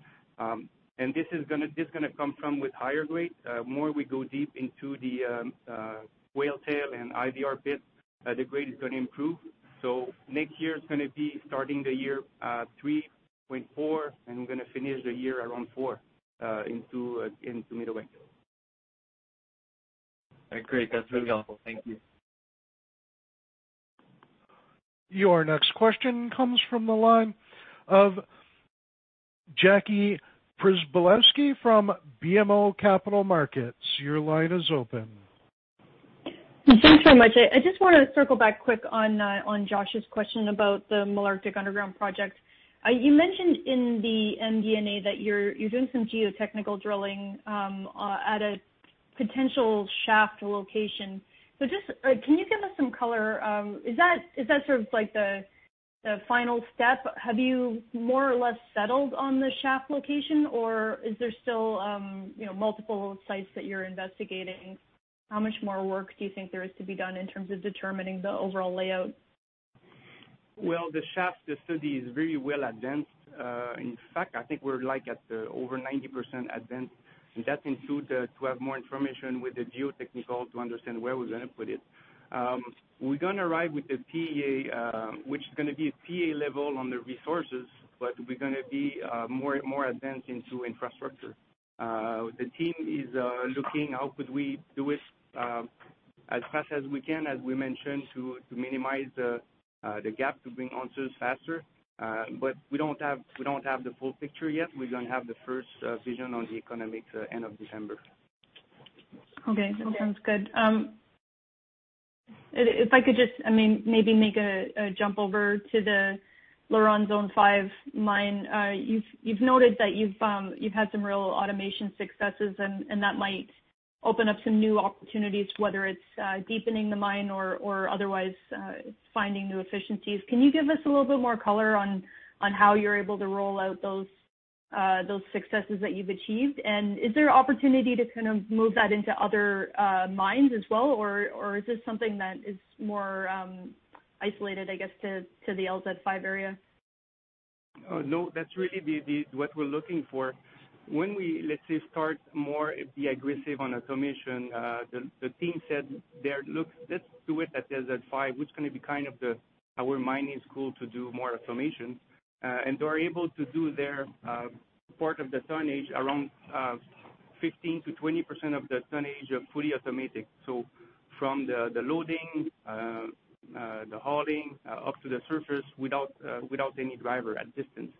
E: This is going to come from with higher grades. The more we go deep into the Whale Tail and IVR pits, the grade is going to improve. Next year it's going to be starting the year at 3.4, and we're going to finish the year around four, into Meadowbank.
F: Great. That's really helpful. Thank you.
A: Your next question comes from the line of Jackie Przybylowski from BMO Capital Markets. Your line is open.
G: Thanks so much. I just want to circle back quick on Josh's question about the Malartic Underground Project. You mentioned in the MD&A that you're doing some geotechnical drilling at a potential shaft location. Just can you give us some color? Is that sort of the final step? Have you more or less settled on the shaft location, or are there still multiple sites that you're investigating? How much more work do you think there is to be done in terms of determining the overall layout?
E: Well, the shaft study is very well advanced. In fact, I think we're at over 90% advanced, that includes to have more information with the geotechnical to understand where we're going to put it. We're going to arrive with the PEA, which is going to be a PEA level on the resources, we're going to be more advanced into infrastructure. The team is looking at how we could do it as fast as we can, as we mentioned, to minimize the gap to bring answers faster. We don't have the full picture yet. We're going to have the first vision on the economics end of December.
G: Okay. That sounds good. If I could just maybe make a jump over to the LaRonde Zone 5 mine. You've noted that you've had some real automation successes, and that might open up some new opportunities, whether it's deepening the mine or otherwise finding new efficiencies. Can you give us a little bit more color on how you're able to roll out those successes that you've achieved? Is there opportunity to kind of move that into other mines as well, or is this something that is more isolated, I guess, to the LZ5 area?
E: No, that's really what we're looking for. When we, let's say, start to be more aggressive on automation, the team said, "Look, let's do it at LZ5, which is going to be our mining school to do more automation." They are able to do their part of the tonnage, around 15%-20% of the tonnage, fully automatic. From the loading, the hauling up to the surface without any driver assistance.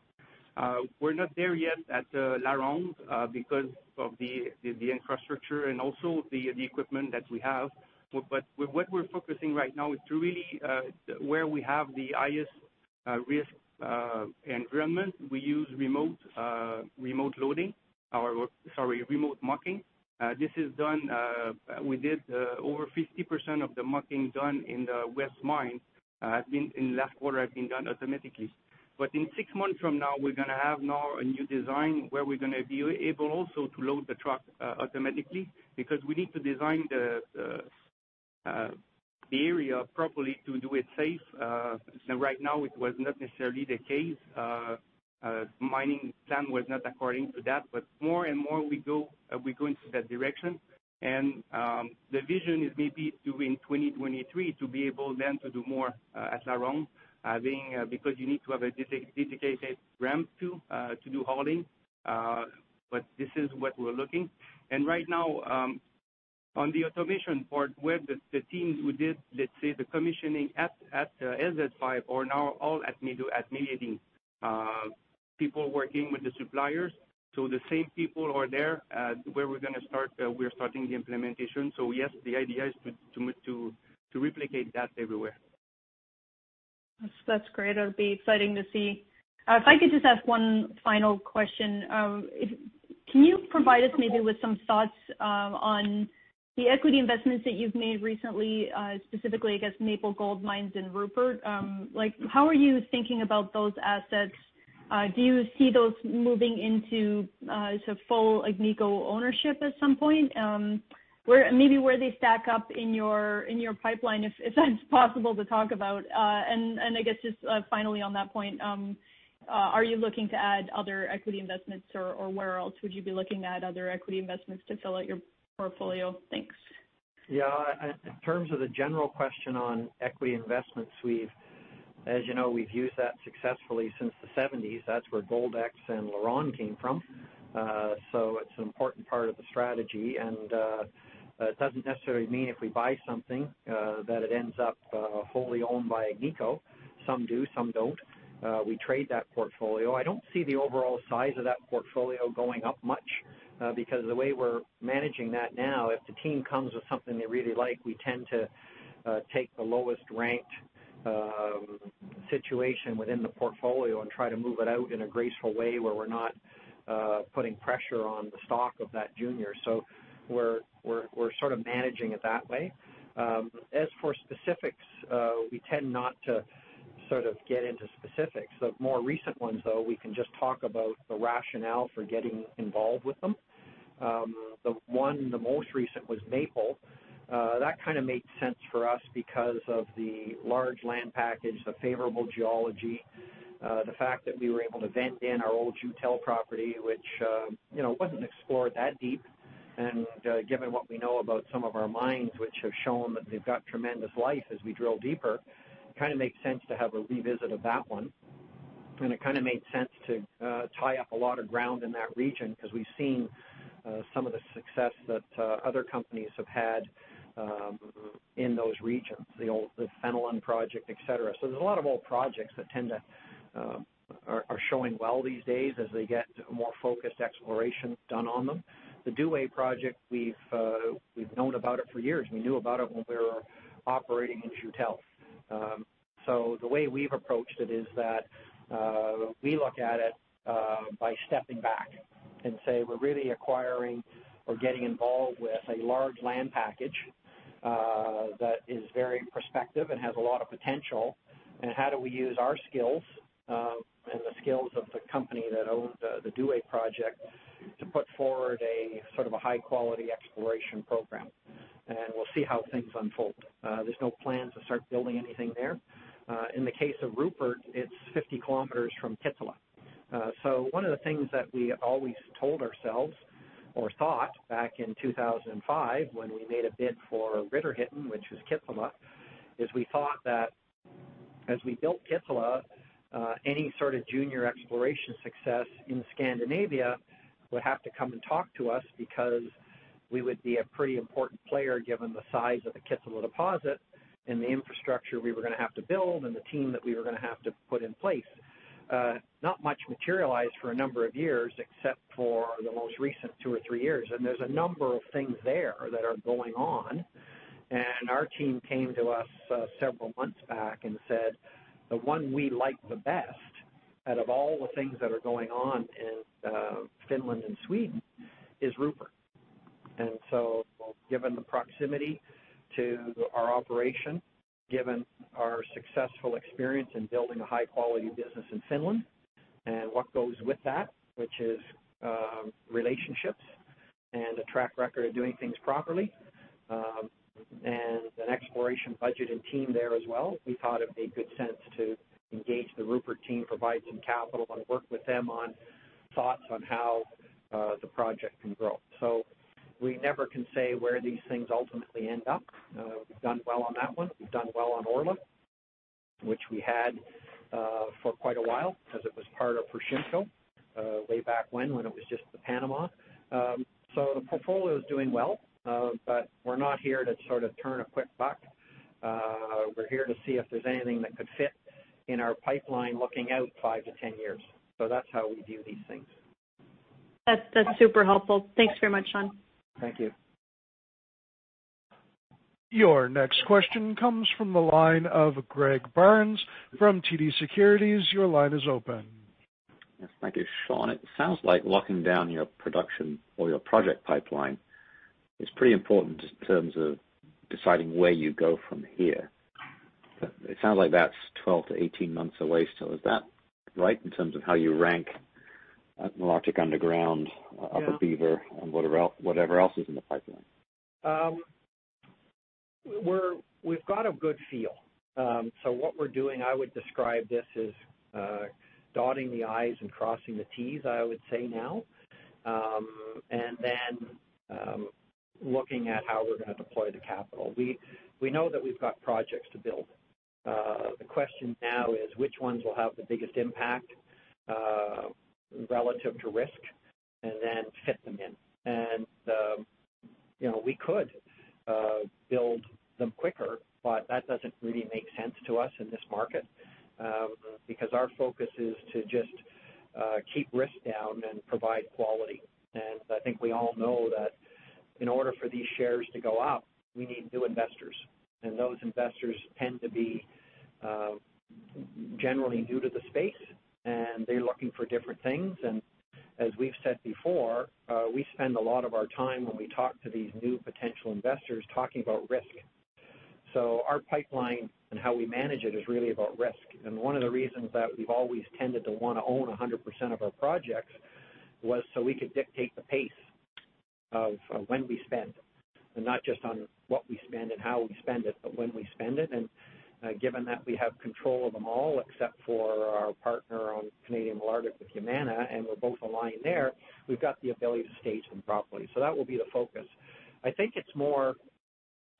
E: We're not there yet at LaRonde because of the infrastructure and also the equipment that we have. What we're focusing on right now is, where we have the highest risk environment, we use remote loading, or, sorry, remote mucking. We did over 50% of the mucking done in the west mine in the last quarter has been done automatically. In six months from now, we're going to have now a new design where we're going to be able also to load the truck automatically because we need to design the area properly to do it safe. Right now, it was not necessarily the case. Mining plan was not according to that, more and more we're going to that direction. The vision is maybe to, in 2023, to be able then to do more at LaRonde, because you need to have a dedicated ramp to do hauling. This is what we're looking. Right now, on the automation part, the teams who did, let's say, the commissioning at LZ5 are now all at Meadowbank at Meliadine, people working with the suppliers. The same people are there, where we're starting the implementation. Yes, the idea is to replicate that everywhere.
G: That's great. It'll be exciting to see. If I could just ask one final question. Can you provide us maybe with some thoughts on the equity investments that you've made recently, specifically, I guess, Maple Gold Mines and Rupert? How are you thinking about those assets? Do you see those moving into full Agnico ownership at some point? Maybe where they stack up in your pipeline, if that's possible to talk about. I guess just finally on that point, are you looking to add other equity investments, or where else would you be looking at other equity investments to fill out your portfolio? Thanks.
B: Yeah. In terms of the general question on equity investments, as you know, we've used that successfully since the 1970s. That's where Goldex and LaRonde came from. It's an important part of the strategy, and it doesn't necessarily mean if we buy something that it ends up wholly owned by Agnico. Some do, some don't. We trade that portfolio. I don't see the overall size of that portfolio going up much, because the way we're managing that now, if the team comes with something they really like, we tend to take the lowest-ranked situation within the portfolio and try to move it out in a graceful way where we're not putting pressure on the stock of that junior. We're sort of managing it that way. As for specifics, we tend not to get into specifics. The more recent ones, though, we can just talk about the rationale for getting involved with them. The most recent was Maple. That kind of made sense for us because of the large land package, the favorable geology, the fact that we were able to vent in our old Joutel property, which wasn't explored that deep. Given what we know about some of our mines, which have shown that they've got tremendous life as we drill deeper, kind of makes sense to have a revisit of that one. It made sense to tie up a lot of ground in that region, because we've seen some of the success that other companies have had in those regions, the Fenelon project, et cetera. There's a lot of old projects that are showing well these days as they get more focused exploration done on them. The Douay project, we've known about it for years. We knew about it when we were operating in Joutel. The way we've approached it is that we look at it by stepping back and say we're really acquiring or getting involved with a large land package that is very prospective and has a lot of potential, and how do we use our skills, and the skills of the company that owns the Douay project to put forward a high-quality exploration program. We'll see how things unfold. There's no plan to start building anything there. In the case of Rupert, it's 50 km from Kittilä. One of the things that we always told ourselves or thought back in 2005 when we made a bid for Riddarhyttan, which was Kittilä, is we thought that as we built Kittilä, any sort of junior exploration success in Scandinavia would have to come and talk to us because we would be a pretty important player given the size of the Kittilä deposit, and the infrastructure we were going to have to build and the team that we were going to have to put in place. Not much materialized for a number of years, except for the most recent two or three years. There's a number of things there that are going on. Our team came to us several months back and said, "The one we like the best, out of all the things that are going on in Finland and Sweden is Rupert." Given the proximity to our operation, given our successful experience in building a high-quality business in Finland, and what goes with that, which is relationships and a track record of doing things properly, and an exploration budget and team there as well, we thought it made good sense to engage the Rupert team, provide some capital, and work with them on thoughts on how the project can grow. We never can say where these things ultimately end up. We've done well on that one. We've done well on Orla, which we had for quite a while because it was part of Pershimco, way back when it was just in Panama. The portfolio is doing well, but we're not here to turn a quick buck. We're here to see if there's anything that could fit in our pipeline looking out 5-10 years. That's how we view these things.
G: That's super helpful. Thanks very much, Sean.
B: Thank you.
A: Your next question comes from the line of Greg Barnes from TD Securities. Your line is open.
H: Yes. Thank you, Sean. It sounds like locking down your production or your project pipeline is pretty important just in terms of deciding where you go from here. It sounds like that's 12-18 months away still. Is that right, in terms of how you rank Amaruq Underground, Upper Beaver?
B: Yeah.
H: Whatever else is in the pipeline?
B: We've got a good feel. What we're doing, I would describe this as dotting the I's and crossing the T's, I would say now. Then looking at how we're going to deploy the capital. We know that we've got projects to build. The question now is which ones will have the biggest impact, relative to risk, and then fit them in. We could build them quicker, but that doesn't really make sense to us in this market. Our focus is to just keep risk down and provide quality. I think we all know that in order for these shares to go up, we need new investors. Those investors tend to be generally new to the space, and they're looking for different things. As we've said before, we spend a lot of our time when we talk to these new potential investors talking about risk. Our pipeline and how we manage it is really about risk. One of the reasons that we've always tended to want to own 100% of our projects was so we could dictate the pace of when we spend. Not just on what we spend and how we spend it, but when we spend it. Given that we have control of them all except for our partner on Canadian Malartic with Yamana, and we're both aligned there, we've got the ability to stage them properly. That will be the focus. I think it's more,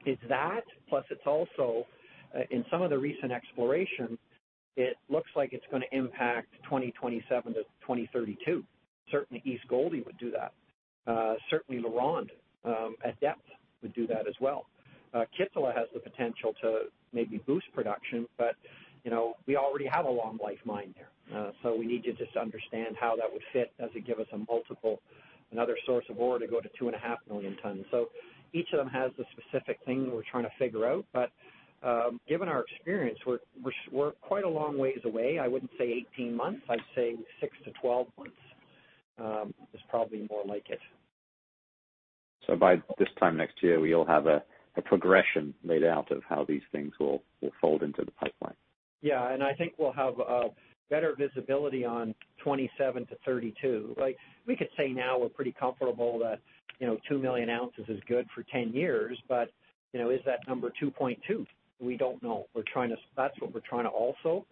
B: it's that, plus it's also, in some of the recent exploration, it looks like it's going to impact 2027 to 2032. Certainly East Gouldie would do that. Certainly LaRonde, at depth would do that as well. Kittilä has the potential to maybe boost production, we already have a long life mine there. We need to just understand how that would fit, does it give us a multiple, another source of ore to go to 2.5 million tons. Each of them has a specific thing that we're trying to figure out. Given our experience, we're quite a long ways away. I wouldn't say 18 months, I'd say 6-12 months, is probably more like it.
H: By this time next year, we'll have a progression laid out of how these things will fold into the pipeline.
B: Yeah. I think we'll have better visibility on 2027 to 2032. We could say now we're pretty comfortable that 2 million ounces is good for 10 years. Is that number 2.2 million? We don't know. That's what we're trying to also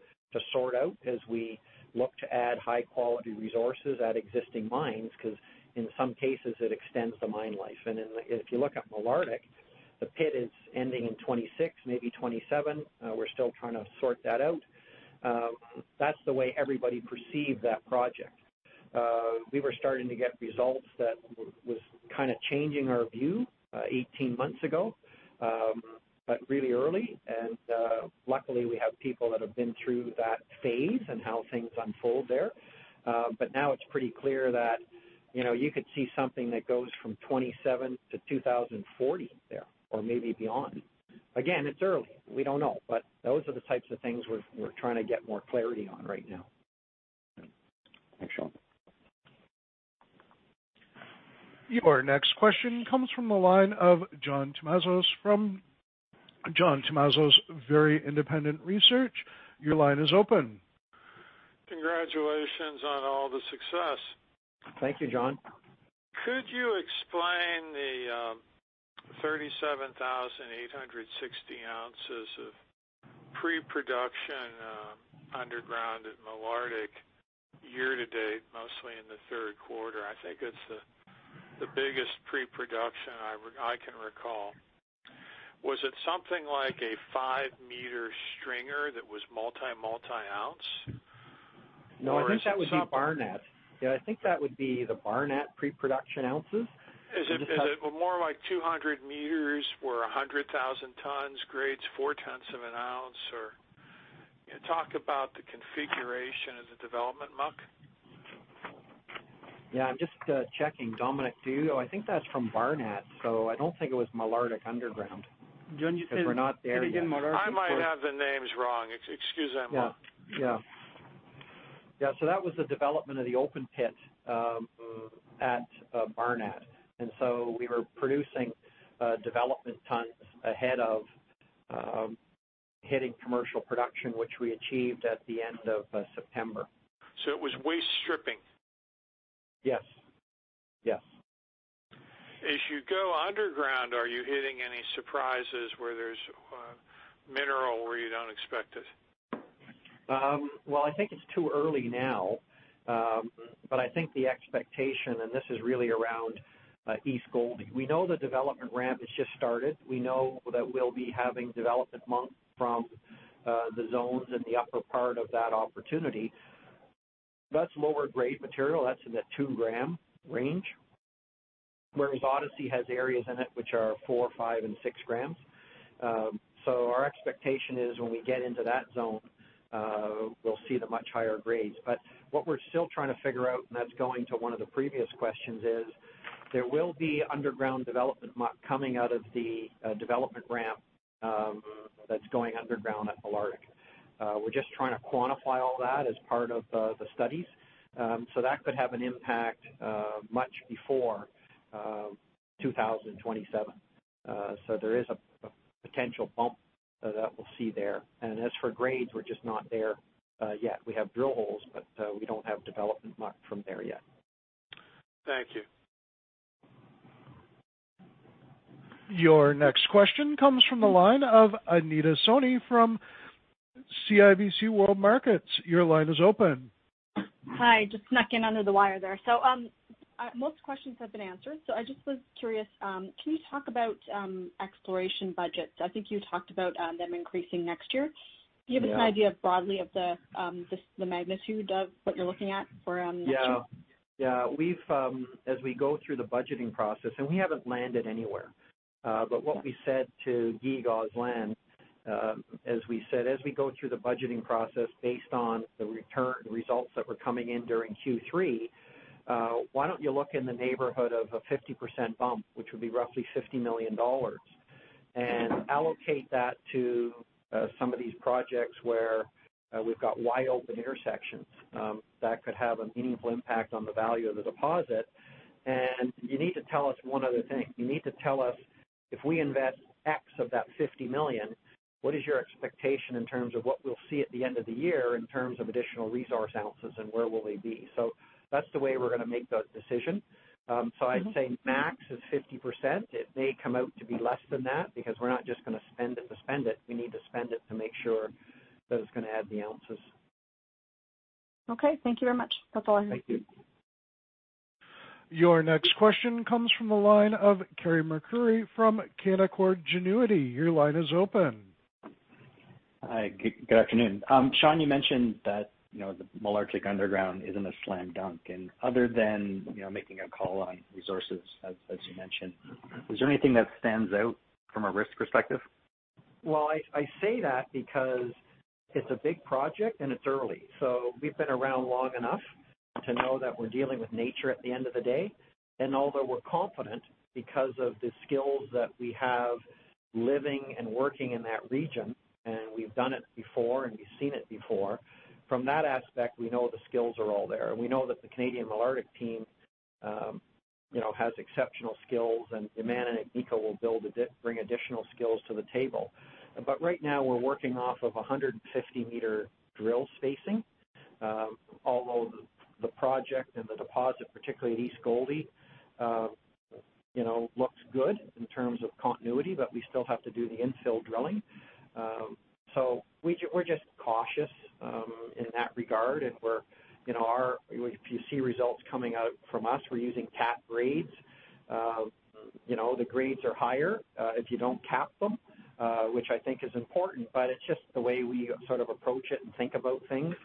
B: sort out as we look to add high-quality resources at existing mines, because in some cases, it extends the mine life. If you look at Malartic. The pit is ending in 2026, maybe 2027. We're still trying to sort that out. That's the way everybody perceived that project. We were starting to get results that was changing our view 18 months ago, really early. Luckily we have people that have been through that phase and how things unfold there. Now it's pretty clear that you could see something that goes from 2027 to 2040 there, or maybe beyond. It's early, we don't know, but those are the types of things we're trying to get more clarity on right now.
H: Thanks, Sean.
A: Your next question comes from the line of John Tumazos from John Tumazos Very Independent Research, LLC. Your line is open.
I: Congratulations on all the success.
B: Thank you, John.
I: Could you explain the 37,860 ounces of pre-production underground at Malartic year to date, mostly in the third quarter? I think it's the biggest pre-production I can recall. Was it something like a five-meter stringer that was multi-multi-ounce?
B: No, I think that would be Barnat. Yeah, I think that would be the Barnat pre-production ounces.
I: Is it more like 200 m or 100,000 tons, grades four tenths of an ounce? Talk about the configuration of the development muck.
B: Yeah, I'm just checking. Dominique, do I think that's from Barnat, so I don't think it was Malartic Underground, because we're not there yet.
I: I might have the names wrong. Excuse my muck.
E: Yeah. That was the development of the open pit at Barnat. We were producing development tons ahead of hitting commercial production, which we achieved at the end of September.
I: It was waste stripping?
B: Yes.
I: As you go underground, are you hitting any surprises where there's mineral where you don't expect it?
B: I think it's too early now. I think the expectation, and this is really around East Gouldie, we know the development ramp has just started. We know that we'll be having development muck from the zones in the upper part of that opportunity. That's lower grade material, that's in the 2 g range. Whereas Odyssey has areas in it which are 4 g, 5 g, and 6 g. Our expectation is when we get into that zone, we'll see the much higher grades. What we're still trying to figure out, and that's going to one of the previous questions, is there will be underground development muck coming out of the development ramp that's going underground at Malartic. We're just trying to quantify all that as part of the studies. That could have an impact much before 2027. There is a potential bump that we'll see there. As for grades, we're just not there yet. We have drill holes, but we don't have development muck from there yet.
I: Thank you.
A: Your next question comes from the line of Anita Soni from CIBC World Markets. Your line is open.
J: Hi, just snuck in under the wire there. Most questions have been answered. I just was curious, can you talk about exploration budgets? I think you talked about them increasing next year.
B: Yeah.
J: Do you have an idea, broadly, of the magnitude of what you're looking at for next year?
B: Yeah. As we go through the budgeting process, and we haven't landed anywhere. What we said to Guy Gosselin, as we said, "As we go through the budgeting process based on the results that were coming in during Q3, why don't you look in the neighborhood of a 50% bump, which would be roughly $50 million, and allocate that to some of these projects where we've got wide-open intersections that could have a meaningful impact on the value of the deposit. You need to tell us one other thing. You need to tell us, if we invest X of that $50 million, what is your expectation in terms of what we'll see at the end of the year in terms of additional resource analysis and where will they be?" That's the way we're going to make those decisions. I'd say max is 50%. It may come out to be less than that, because we're not just going to spend it to spend it. We need to spend it to make sure that it's going to add the ounces.
J: Okay, thank you very much. That's all I have.
B: Thank you.
A: Your next question comes from the line of Carey MacRury from Canaccord Genuity. Your line is open.
K: Hi, good afternoon. Sean, you mentioned that the Malartic Underground isn't a slam dunk. Other than making a call on resources, as you mentioned, is there anything that stands out from a risk perspective?
B: I say that because it's a big project and it's early. We've been around long enough to know that we're dealing with nature at the end of the day. Although we're confident because of the skills that we have living and working in that region, and we've done it before, and we've seen it before. From that aspect, we know the skills are all there. We know that the Canadian Malartic team has exceptional skills, and the man in Agnico will bring additional skills to the table. Right now, we're working off of 150 m drill spacing. Although the project and the deposit, particularly at East Gouldie looks good in terms of continuity, but we still have to do the infill drilling. We're just cautious in that regard, and if you see results coming out from us, we're using cap grades. The grades are higher if you don't cap them, which I think is important, but it's just the way we approach it and think about things.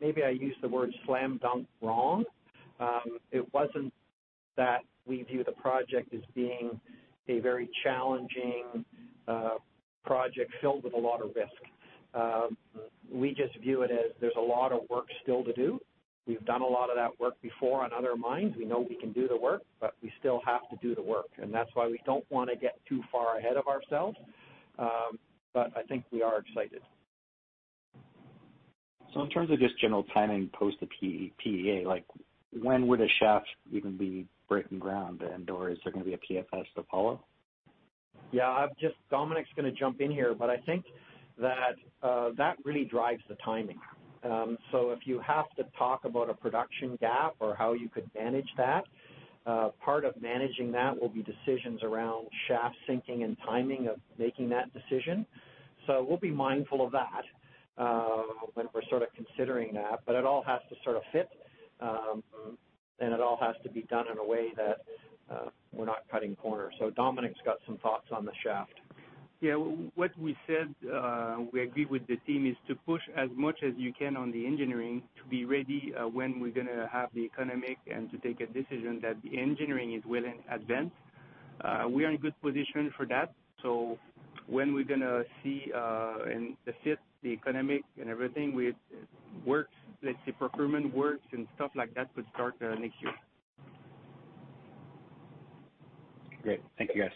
B: Maybe I used the word slam dunk wrong. It wasn't that we view the project as being a very challenging project filled with a lot of risk. We just view it as there's a lot of work still to do. We've done a lot of that work before on other mines. We know we can do the work, but we still have to do the work, and that's why we don't want to get too far ahead of ourselves. I think we are excited.
K: In terms of just general timing post the PEA, when would a shaft even be breaking ground, and/or is there going to be a PFS to follow?
B: Yeah. Dominique's going to jump in here, but I think that really drives the timing. If you have to talk about a production gap or how you could manage that, part of managing that will be decisions around shaft sinking and timing of making that decision. We'll be mindful of that when we're considering that, but it all has to fit, and it all has to be done in a way that we're not cutting corners. Dominique's got some thoughts on the shaft.
E: Yeah. What we said, we agree with the team, is to push as much as you can on the engineering to be ready when we're going to have the economic and to make a decision that the engineering is well in advance. We are in a good position for that. When we're going to see it fits the economic and everything with works, let's say procurement works and stuff like that could start next year.
K: Great. Thank you, guys.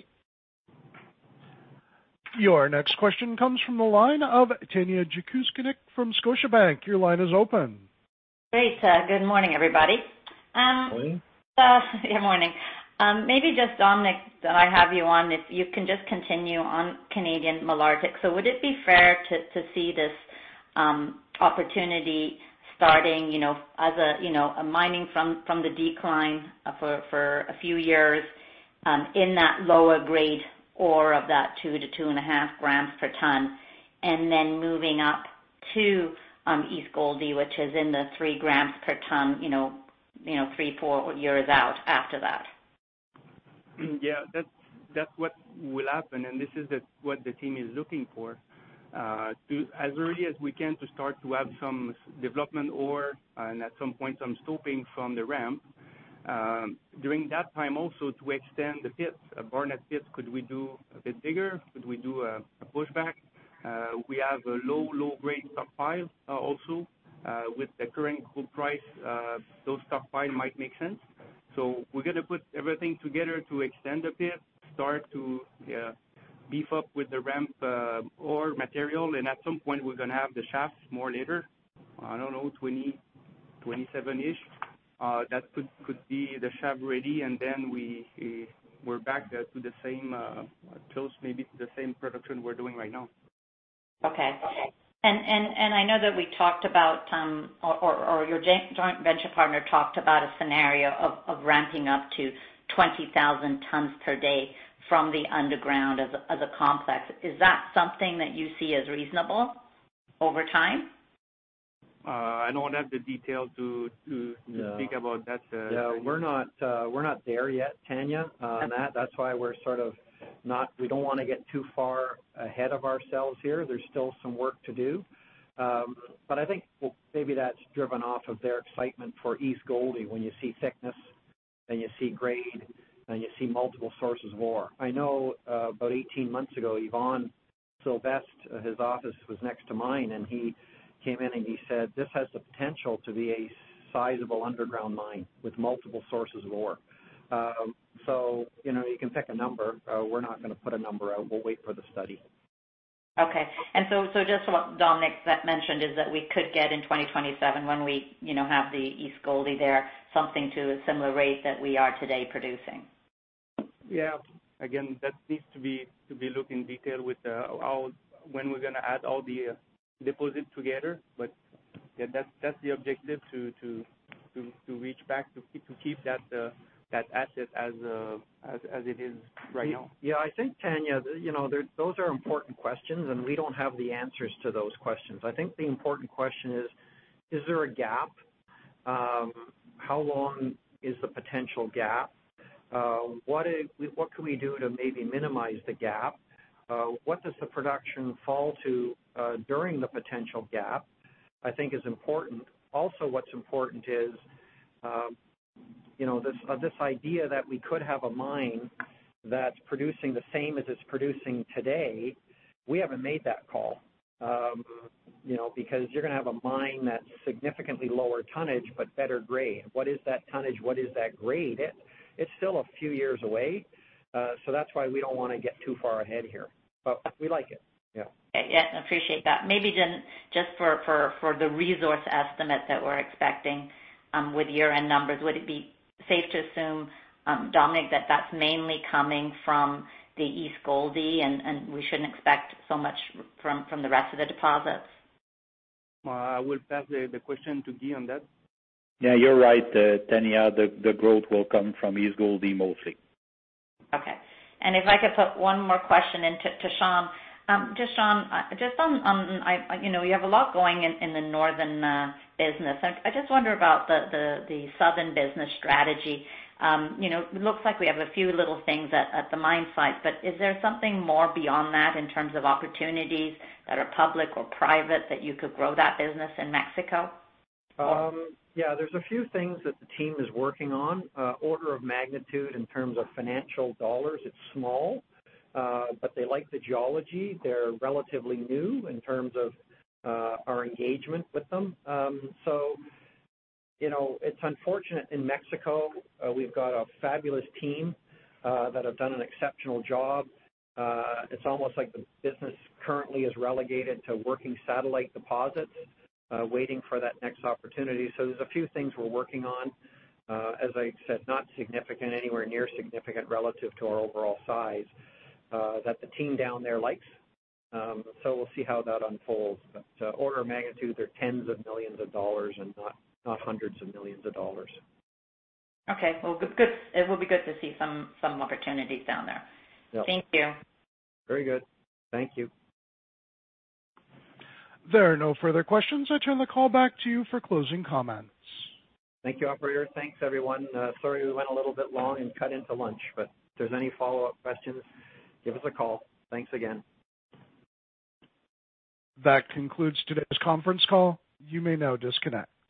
A: Your next question comes from the line of Tanya Jakusconek from Scotiabank. Your line is open.
L: Great. Good morning, everybody.
B: Morning.
L: Good morning. Maybe just Dominique, I have you on, if you can just continue on Canadian Malartic. Would it be fair to see this opportunity starting as a mining from the decline for a few years in that lower grade ore of that 2 g to 2.5 g per ton, and then moving up to East Gouldie, which is in the 3 g per ton, three, four years out after that?
E: Yeah, that's what will happen. This is what the team is looking for. As early as we can to start to have some development ore, at some point, some stoping from the ramp. During that time also to extend the pit, Barnat pit, could we do a bit bigger? Could we do a pushback? We have a low grade stockpiles also. With the current gold price, those stockpile might make sense. We're going to put everything together to extend the pit, start to beef up with the ramp ore material, at some point, we're going to have the shafts more later. I don't know, 2020, 2027-ish. That could be the shaft ready, we're back to close maybe the same production we're doing right now.
L: Okay. I know that we talked about, or your joint venture partner talked about a scenario of ramping up to 20,000 tons per day from the underground as a complex. Is that something that you see as reasonable over time?
E: I don't have the detail to speak about that.
B: No, we're not there yet, Tanya, on that. That's why we don't want to get too far ahead of ourselves here. There's still some work to do. I think maybe that's driven off of their excitement for East Gouldie when you see thickness and you see grade and you see multiple sources of ore. I know about 18 months ago, Yvon Sylvestre, his office was next to mine, and he came in and he said, "This has the potential to be a sizable underground mine with multiple sources of ore." You can pick a number. We're not going to put a number out. We'll wait for the study.
L: Okay. Just what Dominique mentioned is that we could get in 2027 when we have the East Gouldie there, something to a similar rate that we are today producing.
E: Yeah. Again, that needs to be looked in detail with when we're going to add all the deposit together. That's the objective to reach back to keep that asset as it is right now.
B: Yeah. I think, Tanya, those are important questions, and we don't have the answers to those questions. I think the important question is there a gap? How long is the potential gap? What can we do to maybe minimize the gap? What does the production fall to during the potential gap, I think is important. Also what's important is this idea that we could have a mine that's producing the same as it's producing today. We haven't made that call because you're going to have a mine that's significantly lower tonnage but better grade. What is that tonnage? What is that grade? It's still a few years away, so that's why we don't want to get too far ahead here. We like it. Yeah.
L: Yeah, I appreciate that. Maybe just for the resource estimate that we're expecting with year-end numbers, would it be safe to assume, Dominique, that that's mainly coming from the East Gouldie and we shouldn't expect so much from the rest of the deposits?
E: I will pass the question to Guy on that.
M: You're right, Tanya. The growth will come from East Gouldie mostly.
L: Okay. If I could put one more question in to Sean. Just Sean, you have a lot going in the northern business. I just wonder about the southern business strategy. It looks like we have a few little things at the mine site, but is there something more beyond that in terms of opportunities that are public or private that you could grow that business in Mexico?
B: Yeah, there's a few things that the team is working on. Order of magnitude in terms of financial U.S. dollars, it's small. They like the geology. They're relatively new in terms of our engagement with them. It's unfortunate in Mexico. We've got a fabulous team that have done an exceptional job. It's almost like the business currently is relegated to working satellite deposits, waiting for that next opportunity. There's a few things we're working on. As I said, not significant, anywhere near significant relative to our overall size, that the team down there likes. We'll see how that unfolds. Order of magnitude, they're tens of millions of U.S. dollars and not hundreds of millions of U.S. dollars.
L: Okay. Well, it will be good to see some opportunities down there.
B: Yeah.
L: Thank you.
B: Very good. Thank you.
A: There are no further questions. I turn the call back to you for closing comments.
B: Thank you, operator. Thanks, everyone. Sorry we went a little bit long and cut into lunch, but if there's any follow-up questions, give us a call. Thanks again.
A: That concludes today's conference call. You may now disconnect.